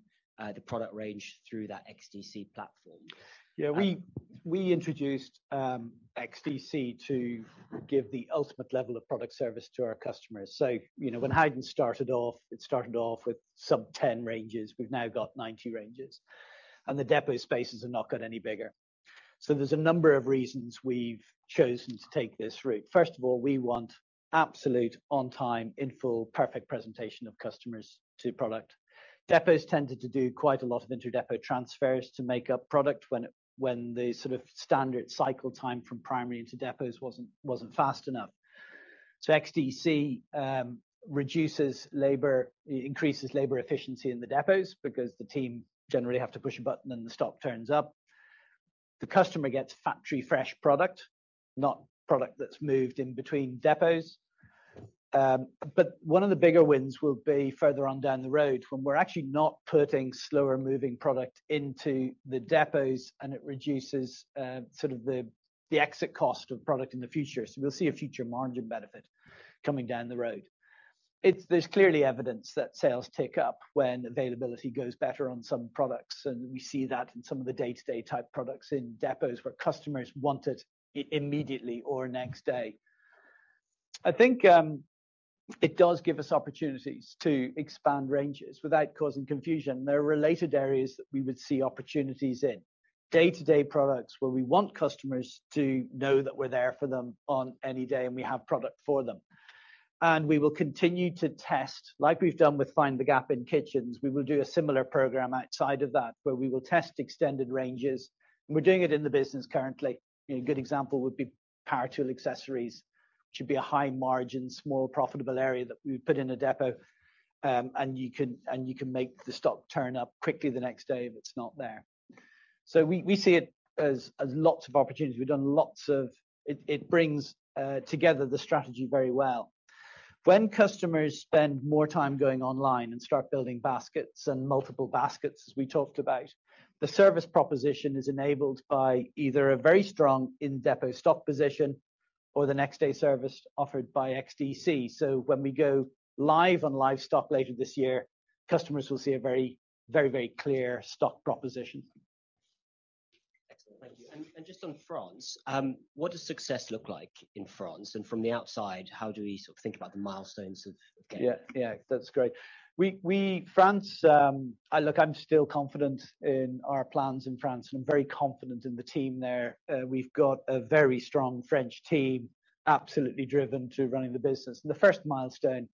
the product range through that XDC platform? Yeah, we introduced XDC to give the ultimate level of product service to our customers. You know, when Howdens started off, it started off with some 10 ranges. We've now got 90 ranges, and the depot spaces have not got any bigger. There's a number of reasons we've chosen to take this route. First of all, we want absolute on-time, in full, perfect presentation of customers to product. Depots tended to do quite a lot of inter-depot transfers to make up product when the sort of standard cycle time from primary to depots wasn't fast enough. XDC reduces labor, increases labor efficiency in the depots because the team generally have to push a button, and the stock turns up. The customer gets factory-fresh product, not product that's moved in between depots. One of the bigger wins will be further on down the road when we're actually not putting slower-moving product into the depots, and it reduces sort of the exit cost of product in the future. We'll see a future margin benefit coming down the road. There's clearly evidence that sales tick up when availability goes better on some products, and we see that in some of the day-to-day type products in depots where customers want it immediately or next day. I think it does give us opportunities to expand ranges without causing confusion. There are related areas that we would see opportunities in. Day-to-day products where we want customers to know that we're there for them on any day, and we have product for them. We will continue to test, like we've done with Find The Gap in kitchens, we will do a similar program outside of that where we will test extended ranges, and we're doing it in the business currently. A good example would be power tool accessories, which would be a high margin, small profitable area that we put in a depot, and you can, and you can make the stock turn up quickly the next day if it's not there. We, we see it as lots of opportunities. We've done lots of, it brings together the strategy very well. When customers spend more time going online and start building baskets and multiple baskets, as we talked about, the service proposition is enabled by either a very strong in-depot stock position or the next day service offered by XDC. When we go live on live stock later this year, customers will see a very, very, very clear stock proposition. Excellent. Thank you. Just on France, what does success look like in France? From the outside, how do we sort of think about the milestones of getting there? Yeah. Yeah. That's great. France, I'm still confident in our plans in France, and I'm very confident in the team there. We've got a very strong French team, absolutely driven to running the business. The first milestone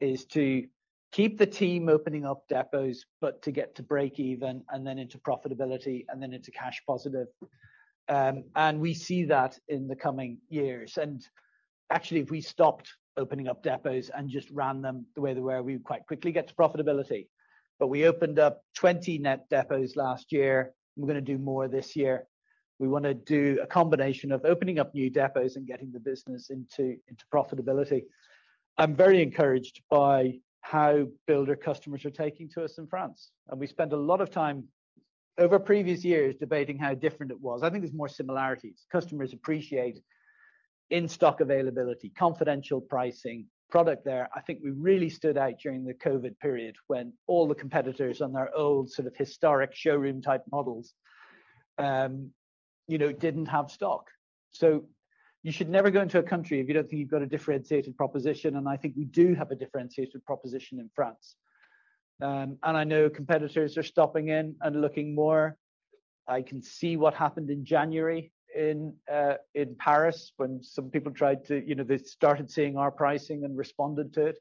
is to keep the team opening up depots, but to get to break even and then into profitability and then into cash positive. We see that in the coming years. Actually, if we stopped opening up depots and just ran them the way they were, we'd quite quickly get to profitability. We opened up 20 net depots last year. We're gonna do more this year. We wanna do a combination of opening up new depots and getting the business into profitability. I'm very encouraged by how builder customers are taking to us in France. We spent a lot of time over previous years debating how different it was. I think there's more similarities. Customers appreciate in-stock availability, confidential pricing, product there. I think we really stood out during the COVID period when all the competitors on their old sort of historic showroom type models. You know, didn't have stock. You should never go into a country if you don't think you've got a differentiated proposition, and I think we do have a differentiated proposition in France. I know competitors are stopping in and looking more. I can see what happened in January in Paris when some people tried to. You know, they started seeing our pricing and responded to it.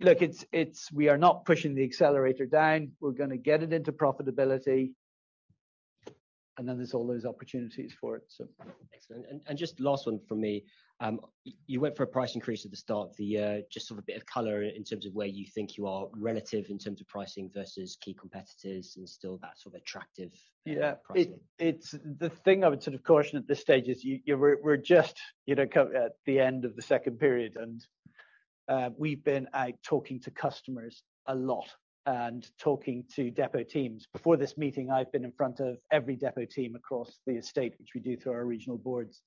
Look, it's, we are not pushing the accelerator down. We're gonna get it into profitability, and then there's all those opportunities for it, so. Excellent. Just last one from me. You went for a price increase at the start of the year. Just sort of a bit of color in terms of where you think you are relative in terms of pricing versus key competitors and still that sort of attractive. Yeah kind of pricing. It's the thing I would sort of caution at this stage is you, we're just, you know, at the end of the second period, and we've been out talking to customers a lot and talking to depot teams. Before this meeting, I've been in front of every depot team across the estate, which we do through our regional boards.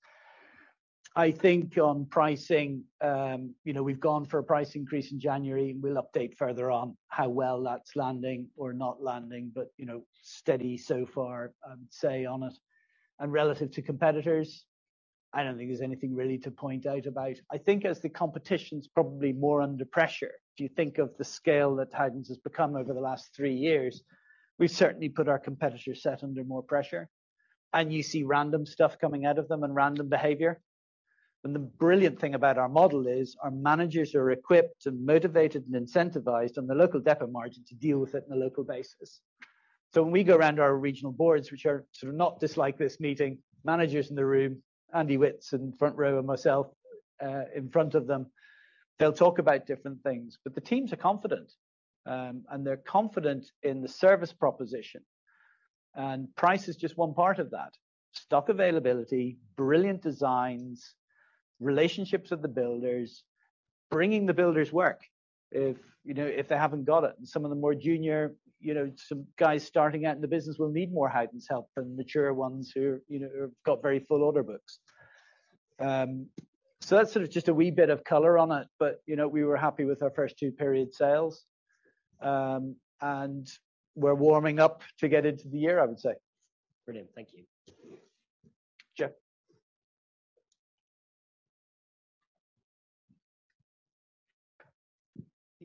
I think on pricing, you know, we've gone for a price increase in January, and we'll update further on how well that's landing or not landing, but, you know, steady so far, I'd say, on it. Relative to competitors, I don't think there's anything really to point out about. I think as the competition's probably more under pressure, if you think of the scale that Howdens has become over the last three years, we've certainly put our competitor set under more pressure. You see random stuff coming out of them and random behavior. The brilliant thing about our model is our managers are equipped and motivated and incentivized on the local depot margin to deal with it on a local basis. When we go around our regional boards, which are sort of not dislike this meeting, managers in the room, Andy Witts in front row and myself, in front of them, they'll talk about different things. The teams are confident, and they're confident in the service proposition. Price is just one part of that. Stock availability, brilliant designs, relationships with the builders, bringing the builders work if, you know, if they haven't got it. Some of the more junior, you know, some guys starting out in the business will need more Howdens help than mature ones who are, you know, who've got very full order books. That's sort of just a wee bit of color on it. You know, we were happy with our first two period sales. We're warming up to get into the year, I would say. Brilliant. Thank you.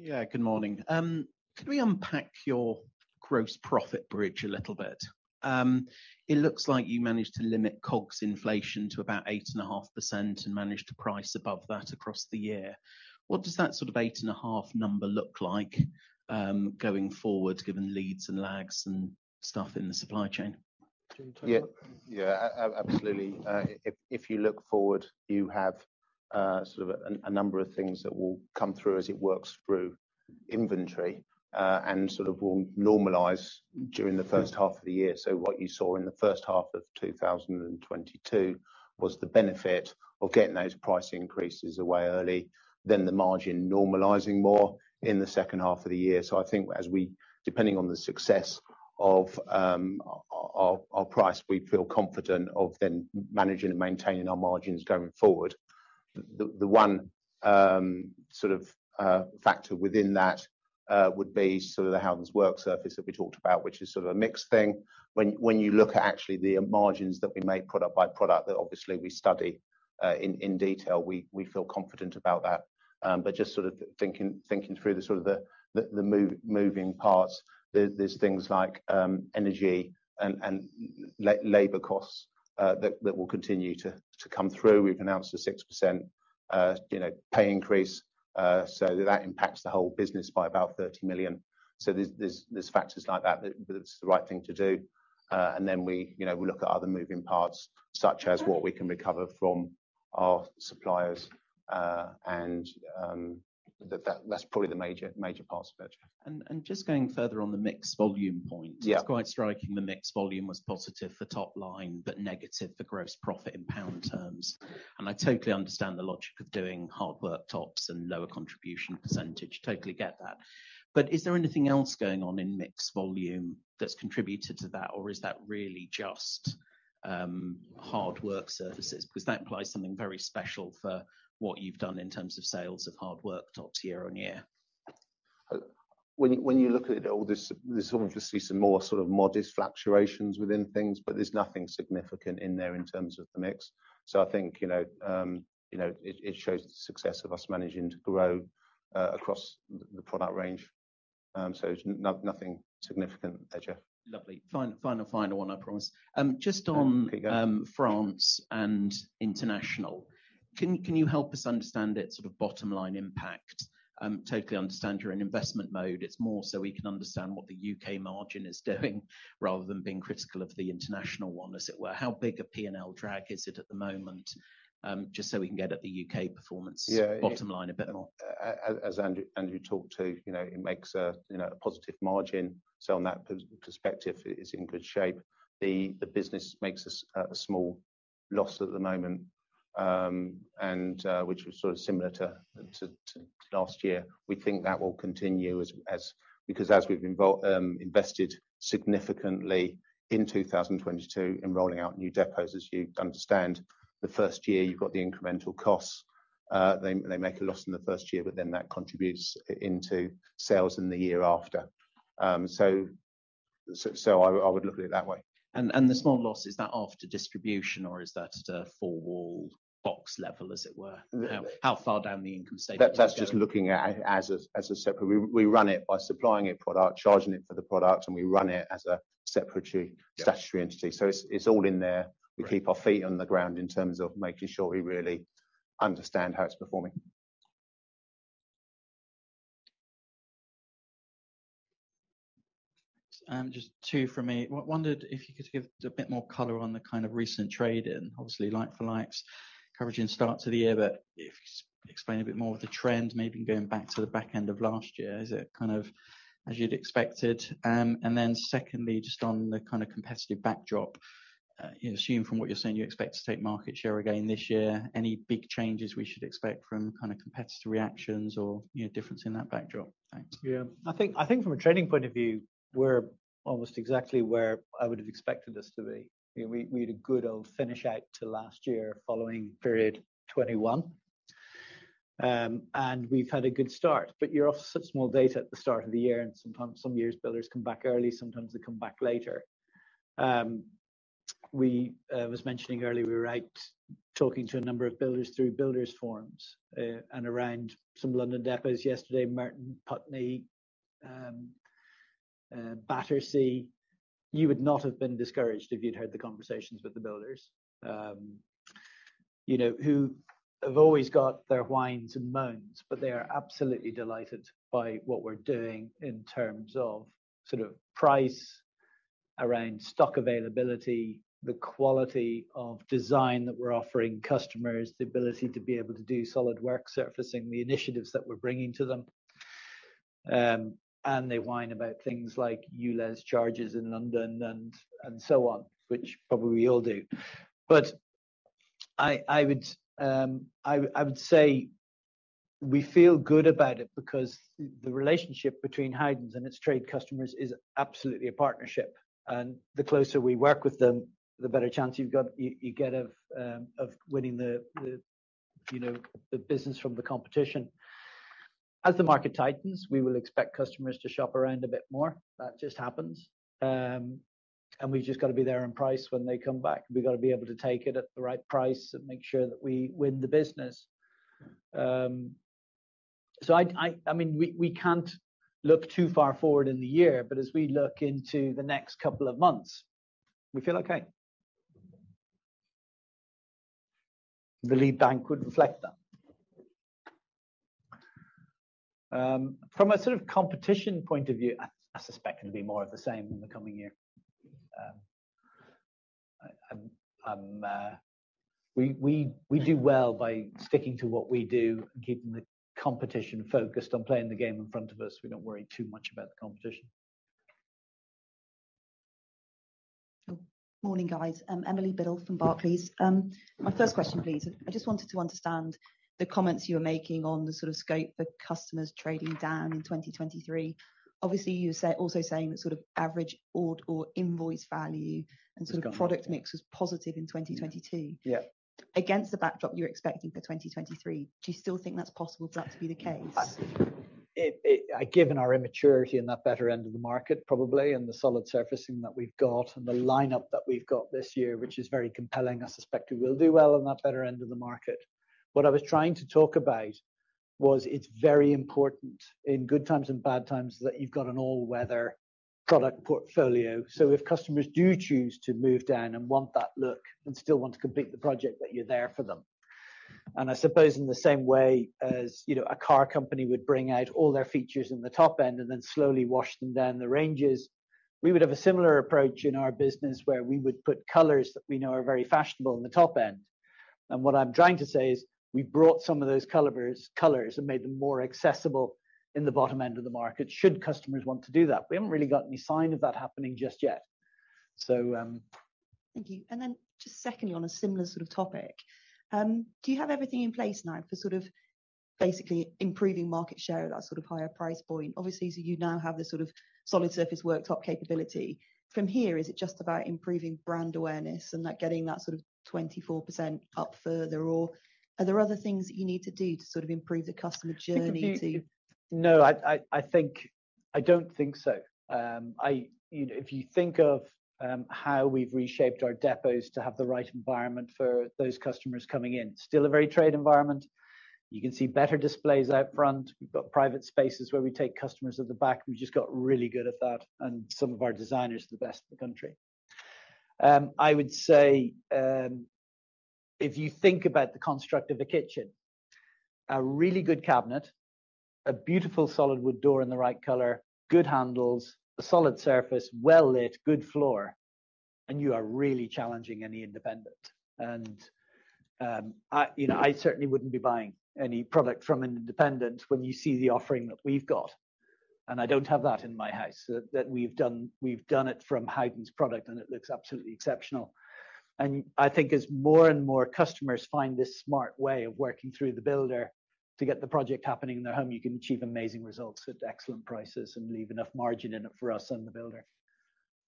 Jeff. Good morning. Could we unpack your gross profit bridge a little bit? It looks like you managed to limit COGS inflation to about 8.5% and managed to price above that across the year. What does that sort of 8.5 number look like, going forward, given leads and lags and stuff in the supply chain? Do you wanna take that? Yeah. Yeah. Absolutely. If you look forward, you have sort of a number of things that will come through as it works through inventory, and sort of will normalize during the first half of the year. What you saw in the first half of 2022 was the benefit of getting those price increases away early, then the margin normalizing more in the second half of the year. I think as we, depending on the success of our price, we feel confident of then managing and maintaining our margins going forward. The one sort of factor within that would be sort of the Howdens Work Surfaces that we talked about, which is sort of a mixed thing. When you look at actually the margins that we make product-by-product, that obviously we study in detail, we feel confident about that. Just sort of thinking through the sort of the moving parts, there's things like energy and labor costs that will continue to come through. We've announced a 6%, you know, pay increase, so that impacts the whole business by about 30 million. There's factors like that, but it's the right thing to do. Then we, you know, we look at other moving parts, such as what we can recover from our suppliers, and that's probably the major parts of it. Just going further on the mixed volume point. Yeah. It's quite striking the mixed volume was positive for top line but negative for gross profit in pound terms. I totally understand the logic of doing hard worktops and lower contribution percentage. Totally get that. Is there anything else going on in mixed volume that's contributed to that, or is that really just, hard work surfaces? 'Cause that implies something very special for what you've done in terms of sales of hard worktops year-on-year. When you look at all this, there's obviously some more sort of modest fluctuations within things, but there's nothing significant in there in terms of the mix. I think, you know, you know, it shows the success of us managing to grow across the product range. Nothing significant there, Jeff. Lovely. Final, final one, I promise. Just on France and international, can you help us understand its sort of bottom line impact? Totally understand you're in investment mode. It's more so we can understand what the U.K. margin is doing rather than being critical of the international one, as it were. How big a P&L drag is it at the moment, just so we can get at the U.K. performance Yeah bottom line a bit more. As Andrew talked to, you know, it makes a, you know, a positive margin, on that perspective, it's in good shape. The business makes a small loss at the moment, and which was sort of similar to last year. We think that will continue as because as we've invested significantly in 2022 in rolling out new depots, as you understand, the first year you've got the incremental costs They make a loss in the first year, but then that contributes into sales in the year after. I would look at it that way. The small loss, is that after distribution or is that at a four-wall box level, as it were? The- How far down the income statement does it go? That's just looking at it as a separate. We run it by supplying a product, charging it for the product, and we run it as a separate. Yeah statutory entity. it's all in there. Great. We keep our feet on the ground in terms of making sure we really understand how it's performing. Just two from me. Wondered if you could give a bit more color on the kind of recent trade and obviously like for likes coverage and start to the year, but if you could explain a bit more of the trend, maybe going back to the back end of last year. Is it kind of as you'd expected? Then secondly, just on the kinda competitive backdrop, you know, assume from what you're saying you expect to take market share again this year. Any big changes we should expect from kinda competitor reactions or, you know, difference in that backdrop? Thanks. Yeah. I think from a trading point of view, we're almost exactly where I would have expected us to be. You know, we had a good old finish out to last year following period 2021. We've had a good start. You're off such small data at the start of the year, and sometimes some years builders come back early, sometimes they come back later. We was mentioning earlier, we were out talking to a number of builders through builders forums, and around some London depots yesterday, Merton, Putney, Battersea. You would not have been discouraged if you'd heard the conversations with the builders, you know, who have always got their whines and moans, but they are absolutely delighted by what we're doing in terms of sort of price, around stock availability, the quality of design that we're offering customers, the ability to be able to do solid work surfacing the initiatives that we're bringing to them. They whine about things like ULEZ charges in London and so on, which probably we all do. I would, I would say we feel good about it because the relationship between Howdens and its trade customers is absolutely a partnership. The closer we work with them, the better chance you've got, you get of winning the, you know, the business from the competition. As the market tightens, we will expect customers to shop around a bit more. That just happens. We've just gotta be there on price when they come back. We've gotta be able to take it at the right price and make sure that we win the business. I mean, we can't look too far forward in the year, but as we look into the next couple of months, we feel okay. The lead bank would reflect that. From a sort of competition point of view, I suspect it'll be more of the same in the coming year. We do well by sticking to what we do and keeping the competition focused on playing the game in front of us. We don't worry too much about the competition. Morning, guys. I'm Emily Bodel from Barclays. My first question, please. I just wanted to understand the comments you were making on the sort of scope for customers trading down in 2023. Obviously, you were also saying that sort of average order or invoice value- Was going down.... and sort of product mix was positive in 2022. Yeah. Against the backdrop you're expecting for 2023, do you still think that's possible for that to be the case? Given our immaturity in that better end of the market, probably, and the solid surfacing that we've got and the lineup that we've got this year, which is very compelling, I suspect we will do well on that better end of the market. What I was trying to talk about was it's very important in good times and bad times that you've got an all-weather product portfolio. If customers do choose to move down and want that look and still want to complete the project, that you're there for them. I suppose in the same way as, you know, a car company would bring out all their features in the top end and then slowly wash them down the ranges, we would have a similar approach in our business where we would put colors that we know are very fashionable in the top end. What I'm trying to say is we've brought some of those calibers, colors and made them more accessible in the bottom end of the market, should customers want to do that. We haven't really got any sign of that happening just yet. Thank you. Just secondly, on a similar sort of topic, do you have everything in place now for sort of basically improving market share at that sort of higher price point? Obviously, so you now have the sort of solid surface worktop capability. From here, is it just about improving brand awareness and like getting that sort of 24% up further, or are there other things that you need to do to sort of improve the customer journey? No, I think, I don't think so. I, you know, if you think of how we've reshaped our depots to have the right environment for those customers coming in, still a very trade environment. You can see better displays out front. We've got private spaces where we take customers at the back. We've just got really good at that. Some of our designers are the best in the country. I would say, if you think about the construct of a kitchen, a really good cabinet, a beautiful solid wood door in the right color, good handles, a solid surface, well-lit, good floor. You are really challenging any independent. I, you know, I certainly wouldn't be buying any product from an independent when you see the offering that we've got. I don't have that in my house. That we've done, we've done it from Howdens' product, it looks absolutely exceptional. I think as more and more customers find this smart way of working through the builder to get the project happening in their home, you can achieve amazing results at excellent prices and leave enough margin in it for us and the builder.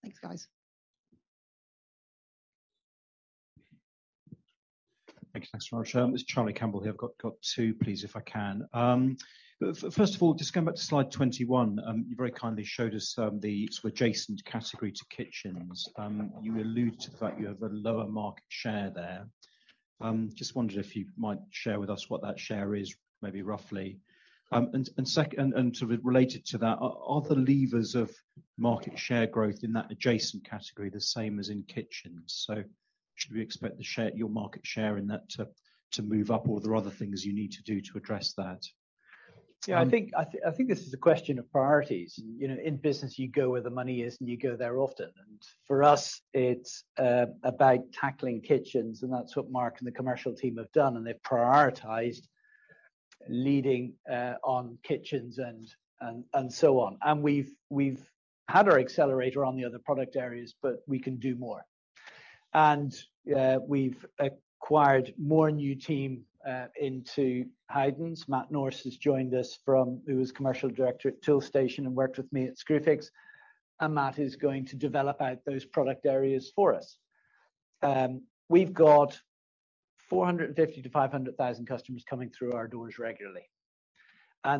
Thanks, guys. Thank you. Thanks very much. It's Charlie Campbell here. I've got two please, if I can. First of all, just going back to slide 21, you very kindly showed us the sort of adjacent category to kitchens. You allude to the fact you have a lower market share there. Just wondered if you might share with us what that share is, maybe roughly. Second, and sort of related to that, are the levers of market share growth in that adjacent category the same as in kitchens? Should we expect the share, your market share in that to move up or are there other things you need to do to address that? I think this is a question of priorities, and, you know, in business you go where the money is, and you go there often. For us, it's about tackling kitchens, and that's what Mark and the commercial team have done, and they've prioritized leading on kitchens and so on. We've had our accelerator on the other product areas, but we can do more. We've acquired more new team into Howdens. Matt Nourse has joined us from, he was commercial director at Toolstation and worked with me at Screwfix, and Matt is going to develop out those product areas for us. We've got 450,000-500,000 customers coming through our doors regularly.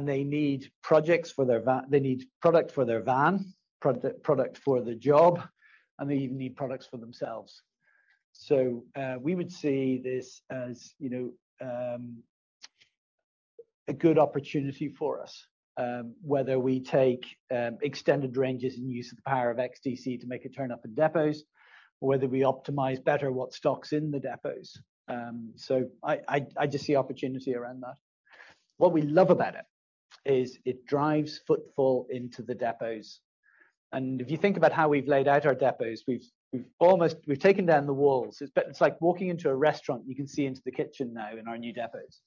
They need product for their van, product for the job, and they even need products for themselves. We would see this as, you know, a good opportunity for us, whether we take extended ranges and use the power of XDC to make a turn up in depots or whether we optimize better what stock's in the depots. So I just see opportunity around that. What we love about it is it drives footfall into the depots. If you think about how we've laid out our depots, we've almost, we've taken down the walls. It's like walking into a restaurant and you can see into the kitchen now in our new depots.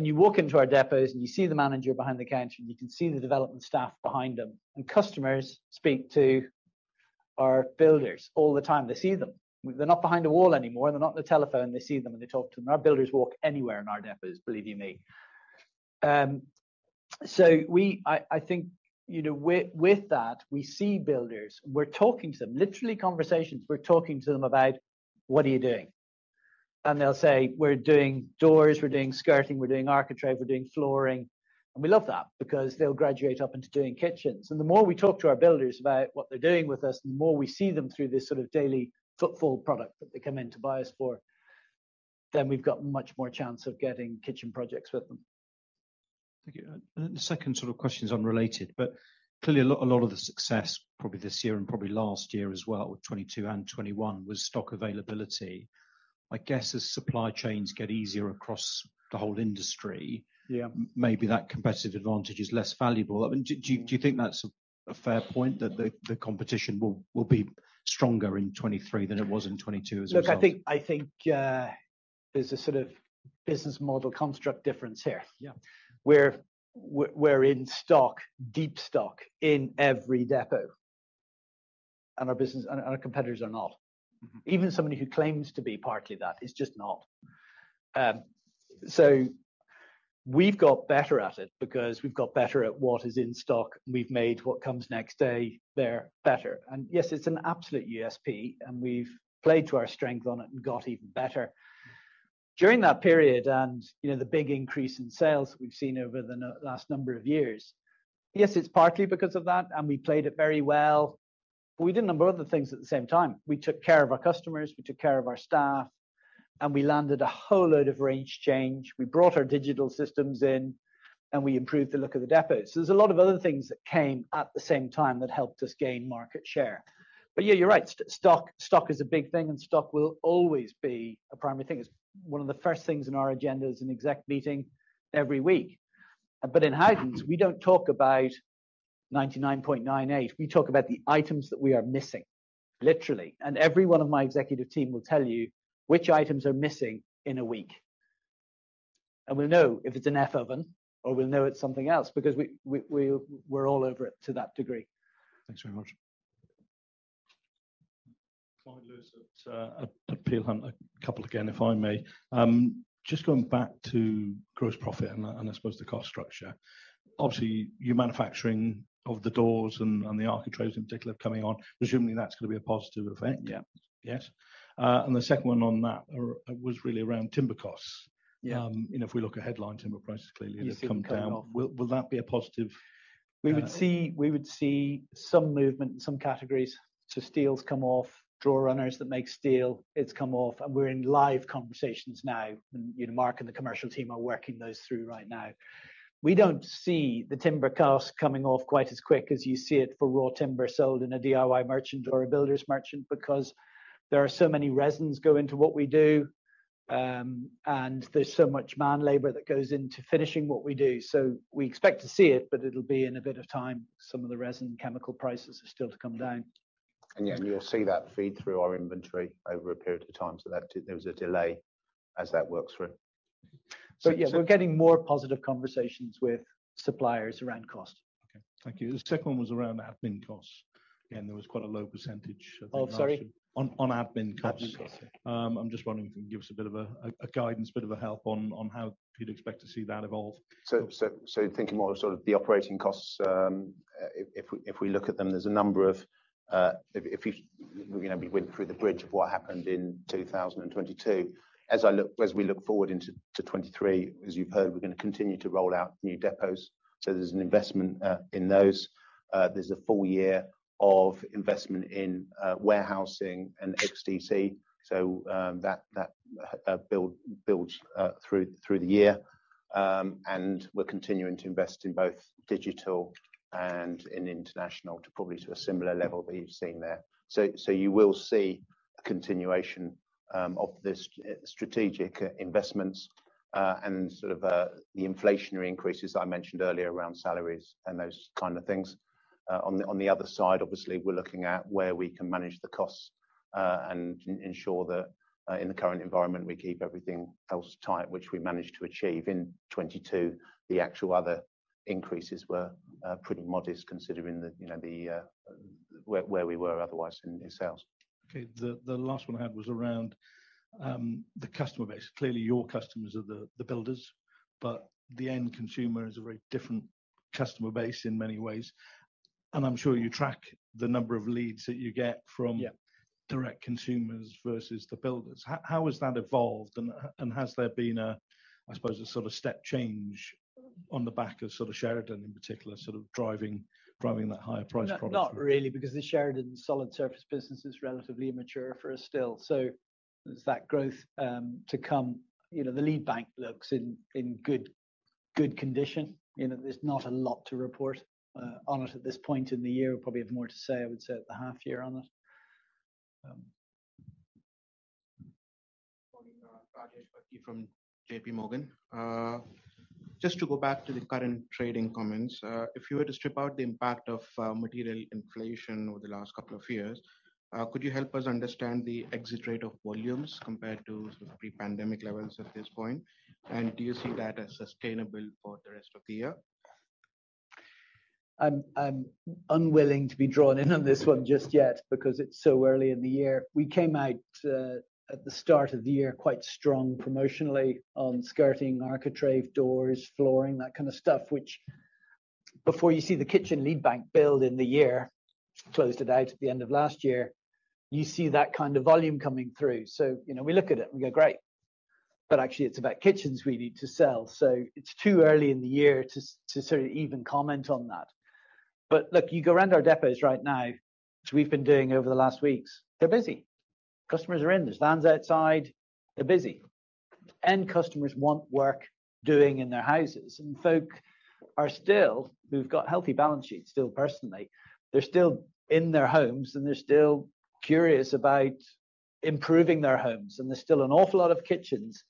You walk into our depots, and you see the manager behind the counter, and you can see the development staff behind them, and customers speak to our builders all the time. They see them. They're not behind a wall anymore, and they're not on the telephone. They see them, and they talk to them, and our builders walk anywhere in our depots, believe you me. We, I think, you know, with that, we see builders. We're talking to them, literally conversations. We're talking to them about, "What are you doing?" They'll say, "We're doing doors. We're doing skirting. We're doing architrave. We're doing flooring." We love that because they'll graduate up into doing kitchens. The more we talk to our builders about what they're doing with us, the more we see them through this sort of daily footfall product that they come in to buy us for, then we've got much more chance of getting kitchen projects with them. Thank you. The second sort of question is unrelated, but clearly a lot of the success probably this year and probably last year as well, 2022 and 2021, was stock availability. I guess as supply chains get easier across the whole industry. Yeah ...maybe that competitive advantage is less valuable. I mean, do you think that's a fair point, that the competition will be stronger in 2023 than it was in 2022 as a result? I think, there's a sort of business model construct difference here. Yeah. We're in stock, deep stock in every depot, and our business and our competitors are not. Mm-hmm. Even somebody who claims to be partly that is just not. We've got better at it because we've got better at what is in stock. We've made what comes next day there better. Yes, it's an absolute USP, and we've played to our strength on it and got even better. During that period, you know, the big increase in sales we've seen over the last number of years, yes, it's partly because of that, and we played it very well, but we did a number of other things at the same time. We took care of our customers, we took care of our staff, and we landed a whole load of range change. We brought our digital systems in, and we improved the look of the depots. There's a lot of other things that came at the same time that helped us gain market share. Yeah, you're right. stock is a big thing, and stock will always be a primary thing. It's one of the first things in our agenda as an exec meeting every week. In Howdens, we don't talk about 99.98. We talk about the items that we are missing, literally, and every one of my executive team will tell you which items are missing in a week. We'll know if it's an F oven or we'll know it's something else because we're all over it to that degree. Thanks very much. Clyde Lewis at Peel Hunt. A couple again, if I may. Just going back to gross profit and I suppose the cost structure. Obviously, your manufacturing of the doors and the architraves in particular coming on, presumably that's gonna be a positive effect. Yeah. Yes. The second one on that was really around timber costs. Yeah. You know, if we look at headline timber prices, clearly they've come down. You've seen them come off. Will that be a positive? We would see some movement in some categories. Steel's come off. Drawer runners that make steel, it's come off. We're in live conversations now, and, you know, Mark and the commercial team are working those through right now. We don't see the timber cost coming off quite as quick as you see it for raw timber sold in a DIY merchant or a builder's merchant because there are so many resins go into what we do, and there's so much man labor that goes into finishing what we do. We expect to see it, but it'll be in a bit of time. Some of the resin chemical prices are still to come down. Mm-hmm. Yeah. You'll see that feed through our inventory over a period of time, so that did, there was a delay as that works through. Yeah, we're getting more positive conversations with suppliers around cost. Thank you. The second one was around admin costs. There was quite a low percentage of. Oh, sorry? On admin costs. Admin costs. I'm just wondering if you can give us a bit of a guidance, a bit of a help on how you'd expect to see that evolve. So thinking more of sort of the operating costs, if we look at them, there's a number of, if you know, went through the bridge of what happened in 2022, as we look forward into 2023, as you've heard, we're gonna continue to roll out new depots. There's an investment in those. There's a full year of investment in warehousing and XDC. That builds through the year. We're continuing to invest in both digital and in international to probably to a similar level that you've seen there. You will see a continuation of the strategic investments and sort of the inflationary increases I mentioned earlier around salaries and those kind of things. On the other side, obviously, we're looking at where we can manage the costs, and ensure that in the current environment, we keep everything else tight, which we managed to achieve in 2022. The actual other increases were pretty modest considering the, you know, the where we were otherwise in sales. Okay. The last one I had was around the customer base. Clearly, your customers are the builders, but the end consumer is a very different customer base in many ways. I'm sure you track the number of leads that you get. Yeah Direct consumers versus the builders, How has that evolved and has there been a, I suppose, a sort of step change on the back of sort of Sheridan in particular, sort of driving that higher price product? No, not really because the Sheridan solid surface business is relatively immature for us still. There's that growth to come. You know, the lead bank looks in good condition. You know, there's not a lot to report on it at this point in the year. We'll probably have more to say, I would say, at the half year on it. Morning. Rajesh from JPMorgan. Just to go back to the current trading comments, if you were to strip out the impact of material inflation over the last couple of years, could you help us understand the exit rate of volumes compared to sort of pre-pandemic levels at this point? Do you see that as sustainable for the rest of the year? I'm unwilling to be drawn in on this one just yet because it's so early in the year. We came out at the start of the year quite strong promotionally on skirting, architrave, doors, flooring, that kind of stuff, which before you see the kitchen lead bank build in the year, closed it out at the end of last year, you see that kind of volume coming through. You know, we look at it and we go, "Great." Actually it's about kitchens we need to sell. It's too early in the year to sort of even comment on that. Look, you go around our depots right now, which we've been doing over the last weeks, they're busy. Customers are in. There's vans outside. They're busy. End customers want work doing in their houses. Folk are still, who've got healthy balance sheets still personally, they're still in their homes, and they're still curious about improving their homes. There's still an awful lot of kitchens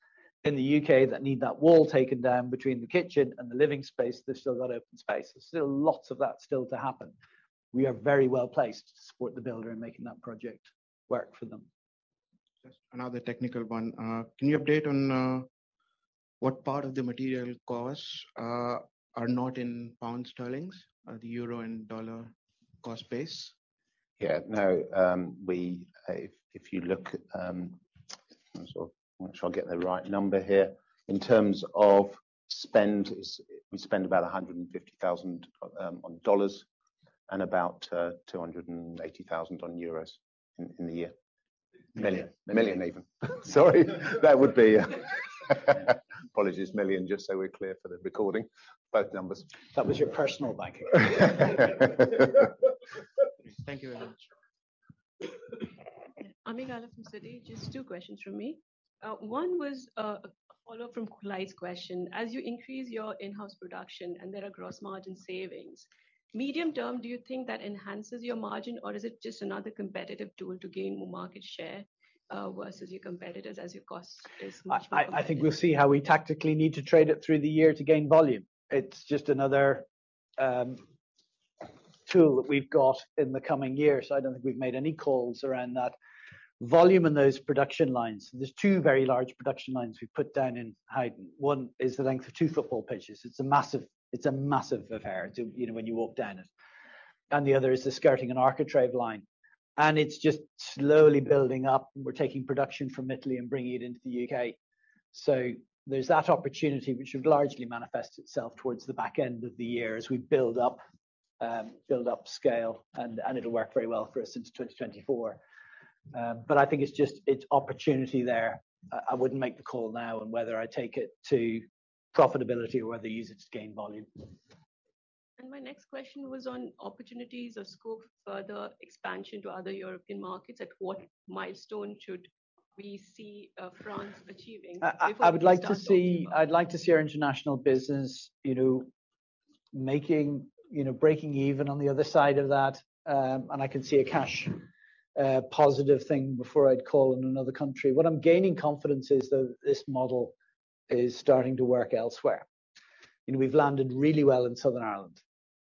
in the U.K. that need that wall taken down between the kitchen and the living space. There's still a lot of open space. There's still lots of that still to happen. We are very well placed to support the builder in making that project work for them. Just another technical one. Can you update on, what part of the material costs, are not in Pounds sterling, the euro and dollar cost base? We, if you look. Sort of make sure I get the right number here. In terms of spend, we spend about $150,000 on dollars and about 280,000 on euros in the year. Million. Million. Million even. Sorry. That would be... Apologies. Million, just so we're clear for the recording, both numbers. That was your personal bank account. Thank you very much. Sure. Ami Galla from Citi. Just two questions from me. One was a follow up from Kulaiquestion. As you increase your in-house production and there are gross margin savings, medium term, do you think that enhances your margin or is it just another competitive tool to gain more market share versus your competitors as your cost is much more competitive? I think we'll see how we tactically need to trade it through the year to gain volume. It's just another tool that we've got in the coming year. I don't think we've made any calls around that. Volume in those production lines, there's two very large production lines we put down in Howden. One is the length of two football pitches. It's a massive, it's a massive affair to, you know, when you walk down it. The other is the skirting and architrave line. It's just slowly building up. We're taking production from Italy and bringing it into the U.K. There's that opportunity which would largely manifest itself towards the back end of the year as we build up scale, and it'll work very well for us into 2024. I think it's just, it's opportunity there. I wouldn't make the call now on whether I take it to profitability or whether use it to gain volume. My next question was on opportunities or scope for further expansion to other European markets. At what milestone should we see France? I, I- Before we start talking I'd like to see our international business, you know, making, you know, breaking even on the other side of that. I can see a cash positive thing before I'd call in another country. What I'm gaining confidence is that this model is starting to work elsewhere. You know, we've landed really well in Southern Ireland,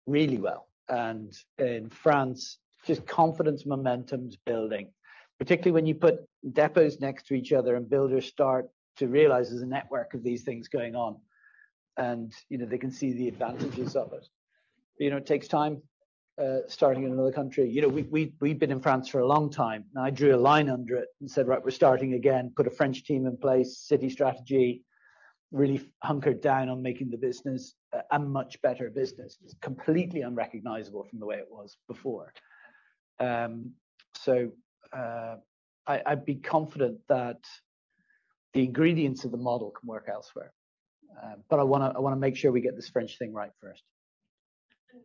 really well. In France, just confidence momentum's building, particularly when you put depots next to each other and builders start to realize there's a network of these things going on, and, you know, they can see the advantages of it. You know, it takes time starting in another country. You know, we've been in France for a long time. I drew a line under it and said, "Right, we're starting again." Put a French team in place, city strategy. Really hunkered down on making the business a much better business. It's completely unrecognizable from the way it was before. I'd be confident that the ingredients of the model can work elsewhere. I wanna make sure we get this French thing right first.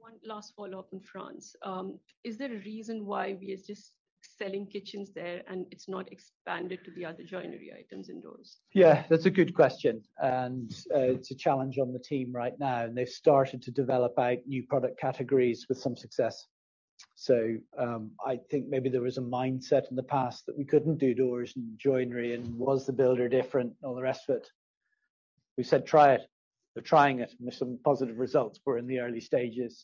One last follow-up in France. Is there a reason why we are just selling kitchens there, and it's not expanded to the other joinery items and doors? That's a good question. It's a challenge on the team right now. They've started to develop out new product categories with some success. I think maybe there was a mindset in the past that we couldn't do doors and joinery and was the builder different and all the rest of it. We said, "Try it." They're trying it, and there's some positive results. We're in the early stages.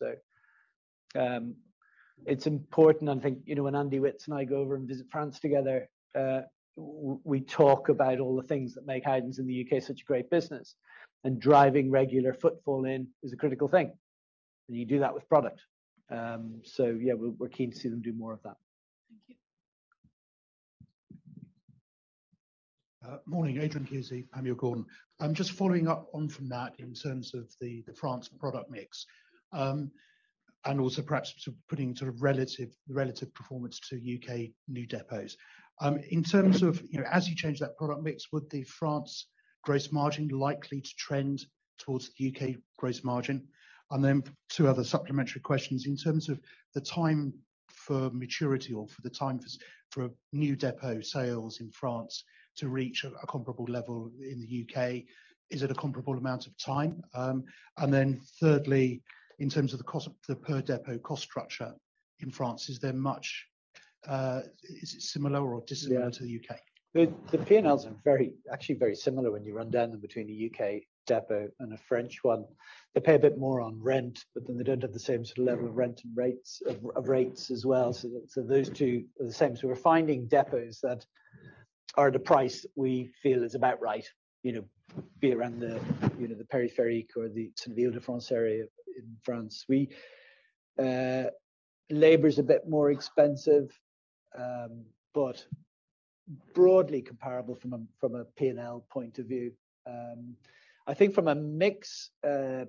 It's important I think, you know, when Andy Witts and I go over and visit France together, we talk about all the things that make Howdens in the U.K. such a great business. Driving regular footfall in is a critical thing, and you do that with product. Yeah, we're keen to see them do more of that. Thank you. Morning. Aynsley Lammin, Panmure Gordon. I'm just following up on from that in terms of the France product mix. Also perhaps putting relative performance to U.K. new depots. In terms of, you know, as you change that product mix, would the France gross margin likely to trend towards the U.K. gross margin? Then two other supplementary questions. In terms of the time for maturity or for the time for new depot sales in France to reach a comparable level in the U.K., is it a comparable amount of time? Thirdly, in terms of the cost, the per depot cost structure in France, is it similar or dissimilar- Yeah to the U.K.? The P&Ls are very, actually very similar when you run down them between the U.K. depot and a French one. They pay a bit more on rent, but then they don't have the same sort of level of rent and rates as well. Those two are the same. We're finding depots that are at a price we feel is about right. You know, be it around the, you know, the Périphérique or the, sort of the Île-de-France area in France. We labor's a bit more expensive, but broadly comparable from a, from a P&L point of view. I think from a mix,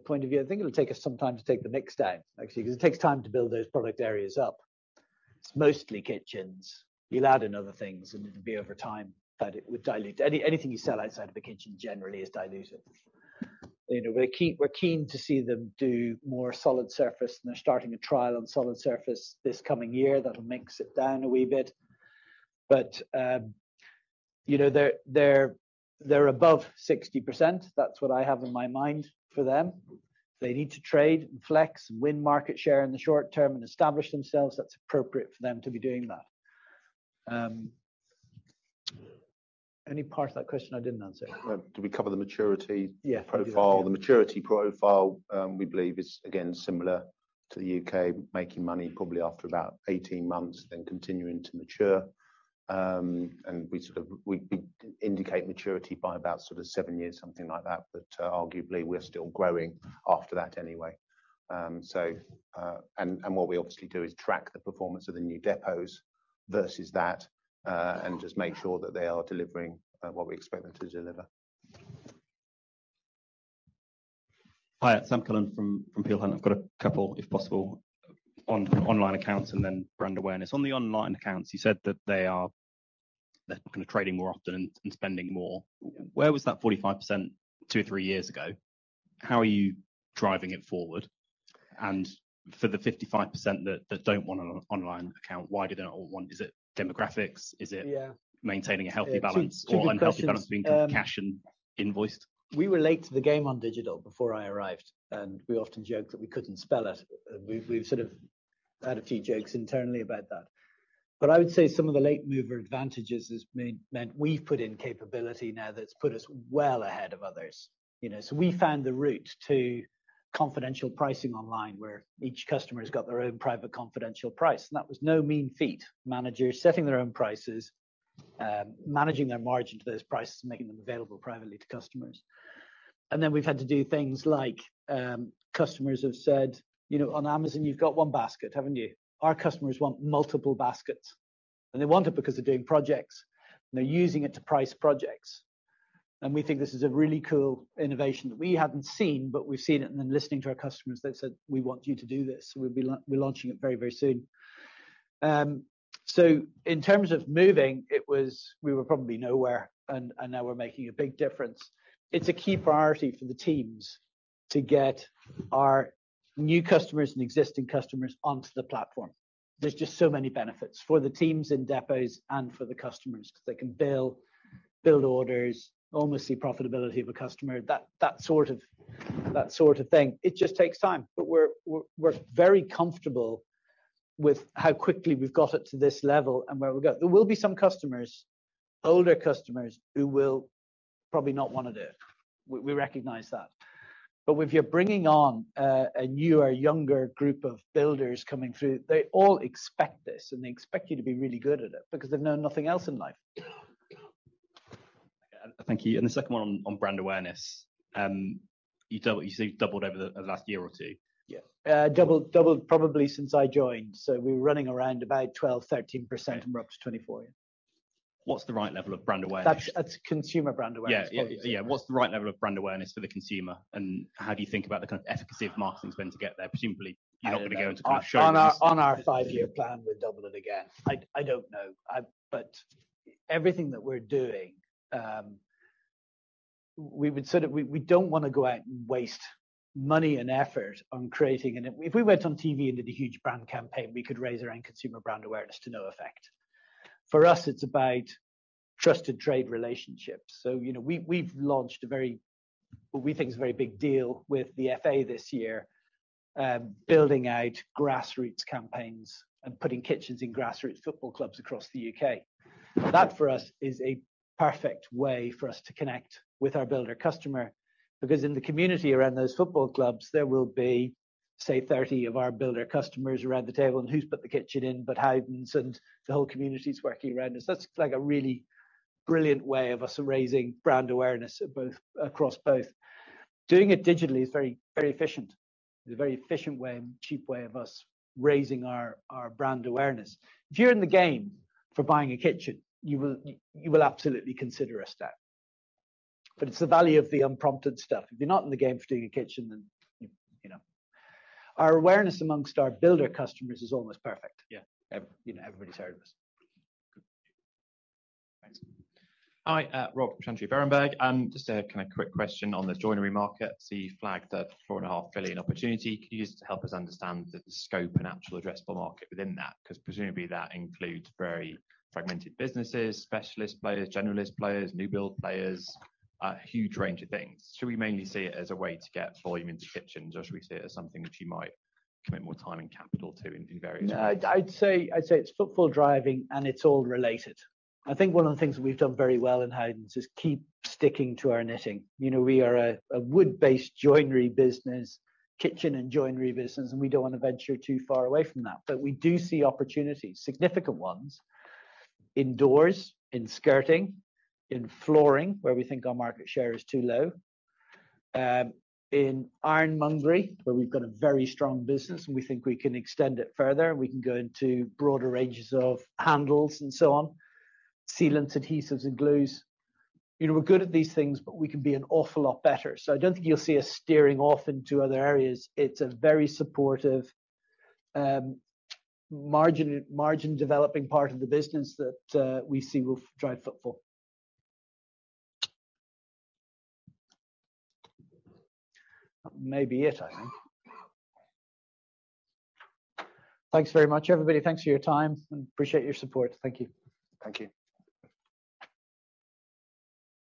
point of view, I think it'll take us some time to take the mix down actually 'cause it takes time to build those product areas up. It's mostly kitchens. You'll add in other things, it'll be over time that it would dilute. Any, anything you sell outside of a kitchen generally is dilutive. You know, we're keen to see them do more solid surface, and they're starting a trial on solid surface this coming year that'll mix it down a wee bit. You know, they're, they're above 60%. That's what I have in my mind for them. They need to trade and flex and win market share in the short term and establish themselves. That's appropriate for them to be doing that. Any part of that question I didn't answer? Well, did we cover the maturity? Yeah The maturity profile, we believe is again similar to the U.K., making money probably after about 18 months, then continuing to mature. We sort of, we indicate maturity by about sort of seven years, something like that. Arguably we're still growing after that anyway. What we obviously do is track the performance of the new depots versus that, and just make sure that they are delivering, what we expect them to deliver. Hi, it's Sam Cullen from Peel Hunt. I've got a couple, if possible on online accounts and then brand awareness. On the online accounts, you said that they're kind of trading more often and spending more. Yeah. Where was that 45% two or three years ago? How are you driving it forward? For the 55% that don't want an online account, why do they not all want it? Is it demographics? Yeah ...maintaining a healthy balance- Two good questions. or unhealthy balance between cash and invoiced? We were late to the game on digital before I arrived, and we often joke that we couldn't spell it. We've sort of had a few jokes internally about that. I would say some of the late mover advantages has made, meant we've put in capability now that's put us well ahead of others. You know, we found the route to confidential pricing online, where each customer has got their own private confidential price, and that was no mean feat. Managers setting their own prices, managing their margin to those prices and making them available privately to customers. We've had to do things like, customers have said, you know, on Amazon you've got one basket, haven't you? Our customers want multiple baskets, and they want it because they're doing projects, and they're using it to price projects. We think this is a really cool innovation that we hadn't seen, but we've seen it and then listening to our customers, they've said, "We want you to do this." We'll be launching it very, very soon. In terms of moving, it was, we were probably nowhere and now we're making a big difference. It's a key priority for the teams to get our new customers and existing customers onto the platform. There's just so many benefits for the teams in depots and for the customers 'cause they can bill, build orders, almost see profitability of a customer. That sort of thing. It just takes time. We're very comfortable with how quickly we've got it to this level and where we'll go. There will be some customers, older customers who will probably not wanna do it. We recognize that. If you're bringing on a newer, younger group of builders coming through, they all expect this, and they expect you to be really good at it because they've known nothing else in life. Thank you. The second one on brand awareness. You say you doubled over the last year or two. Yeah. doubled probably since I joined. We were running around about 12, 13%. Okay. We're up to 24, yeah. What's the right level of brand awareness? That's consumer brand awareness, what you said. Yeah, yeah. Yeah, what's the right level of brand awareness for the consumer, and how do you think about the kind of efficacy of marketing to when to get there? Presumably, you're not gonna go into kind of showing us. On our 5-year plan, we'll double it again. I don't know. But everything that we're doing, we would sort of, we don't wanna go out and waste money and effort on creating. If we went on TV and did a huge brand campaign, we could raise our own consumer brand awareness to no effect. For us, it's about trusted trade relationships. You know, we've launched a very, what we think is a very big deal with The FA this year, building out grassroots campaigns and putting kitchens in grassroots football clubs across the U.K.. That, for us, is a perfect way for us to connect with our builder customer, because in the community around those football clubs, there will be, say, 30 of our builder customers around the table, and who's put the kitchen in but Howdens, and the whole community's working around us. That's like a really brilliant way of us raising brand awareness of both, across both. Doing it digitally is very, very efficient. It's a very efficient way and cheap way of us raising our brand awareness. If you're in the game for buying a kitchen, you will, you will absolutely consider us then. It's the value of the unprompted stuff. If you're not in the game for doing a kitchen, then, you know. Our awareness amongst our builder customers is almost perfect. Yeah. You know, everybody's heard of us. Good. Thanks. Hi, Rob from Berenberg. Just a kinda quick question on the joinery market. You flagged the four and a half billion opportunity. Could you just help us understand the scope and actual addressable market within that? 'Cause presumably that includes very fragmented businesses, specialist players, generalist players, new build players, a huge range of things. Should we mainly see it as a way to get volume into kitchens, or should we see it as something that you might commit more time and capital to in due various ways? No, I'd say it's footfall driving, and it's all related. I think one of the things that we've done very well in Howdens is keep sticking to our knitting. You know, we are a wood-based joinery business, kitchen and joinery business, and we don't wanna venture too far away from that. We do see opportunities, significant ones, in doors, in skirting, in flooring, where we think our market share is too low, in ironmongery, where we've got a very strong business and we think we can extend it further and we can go into broader ranges of handles and so on, sealants, adhesives and glues. You know, we're good at these things, but we can be an awful lot better. I don't think you'll see us steering off into other areas. It's a very supportive, margin-developing part of the business that we see will drive footfall. That may be it, I think. Thanks very much, everybody. Thanks for your time and appreciate your support. Thank you. Thank you.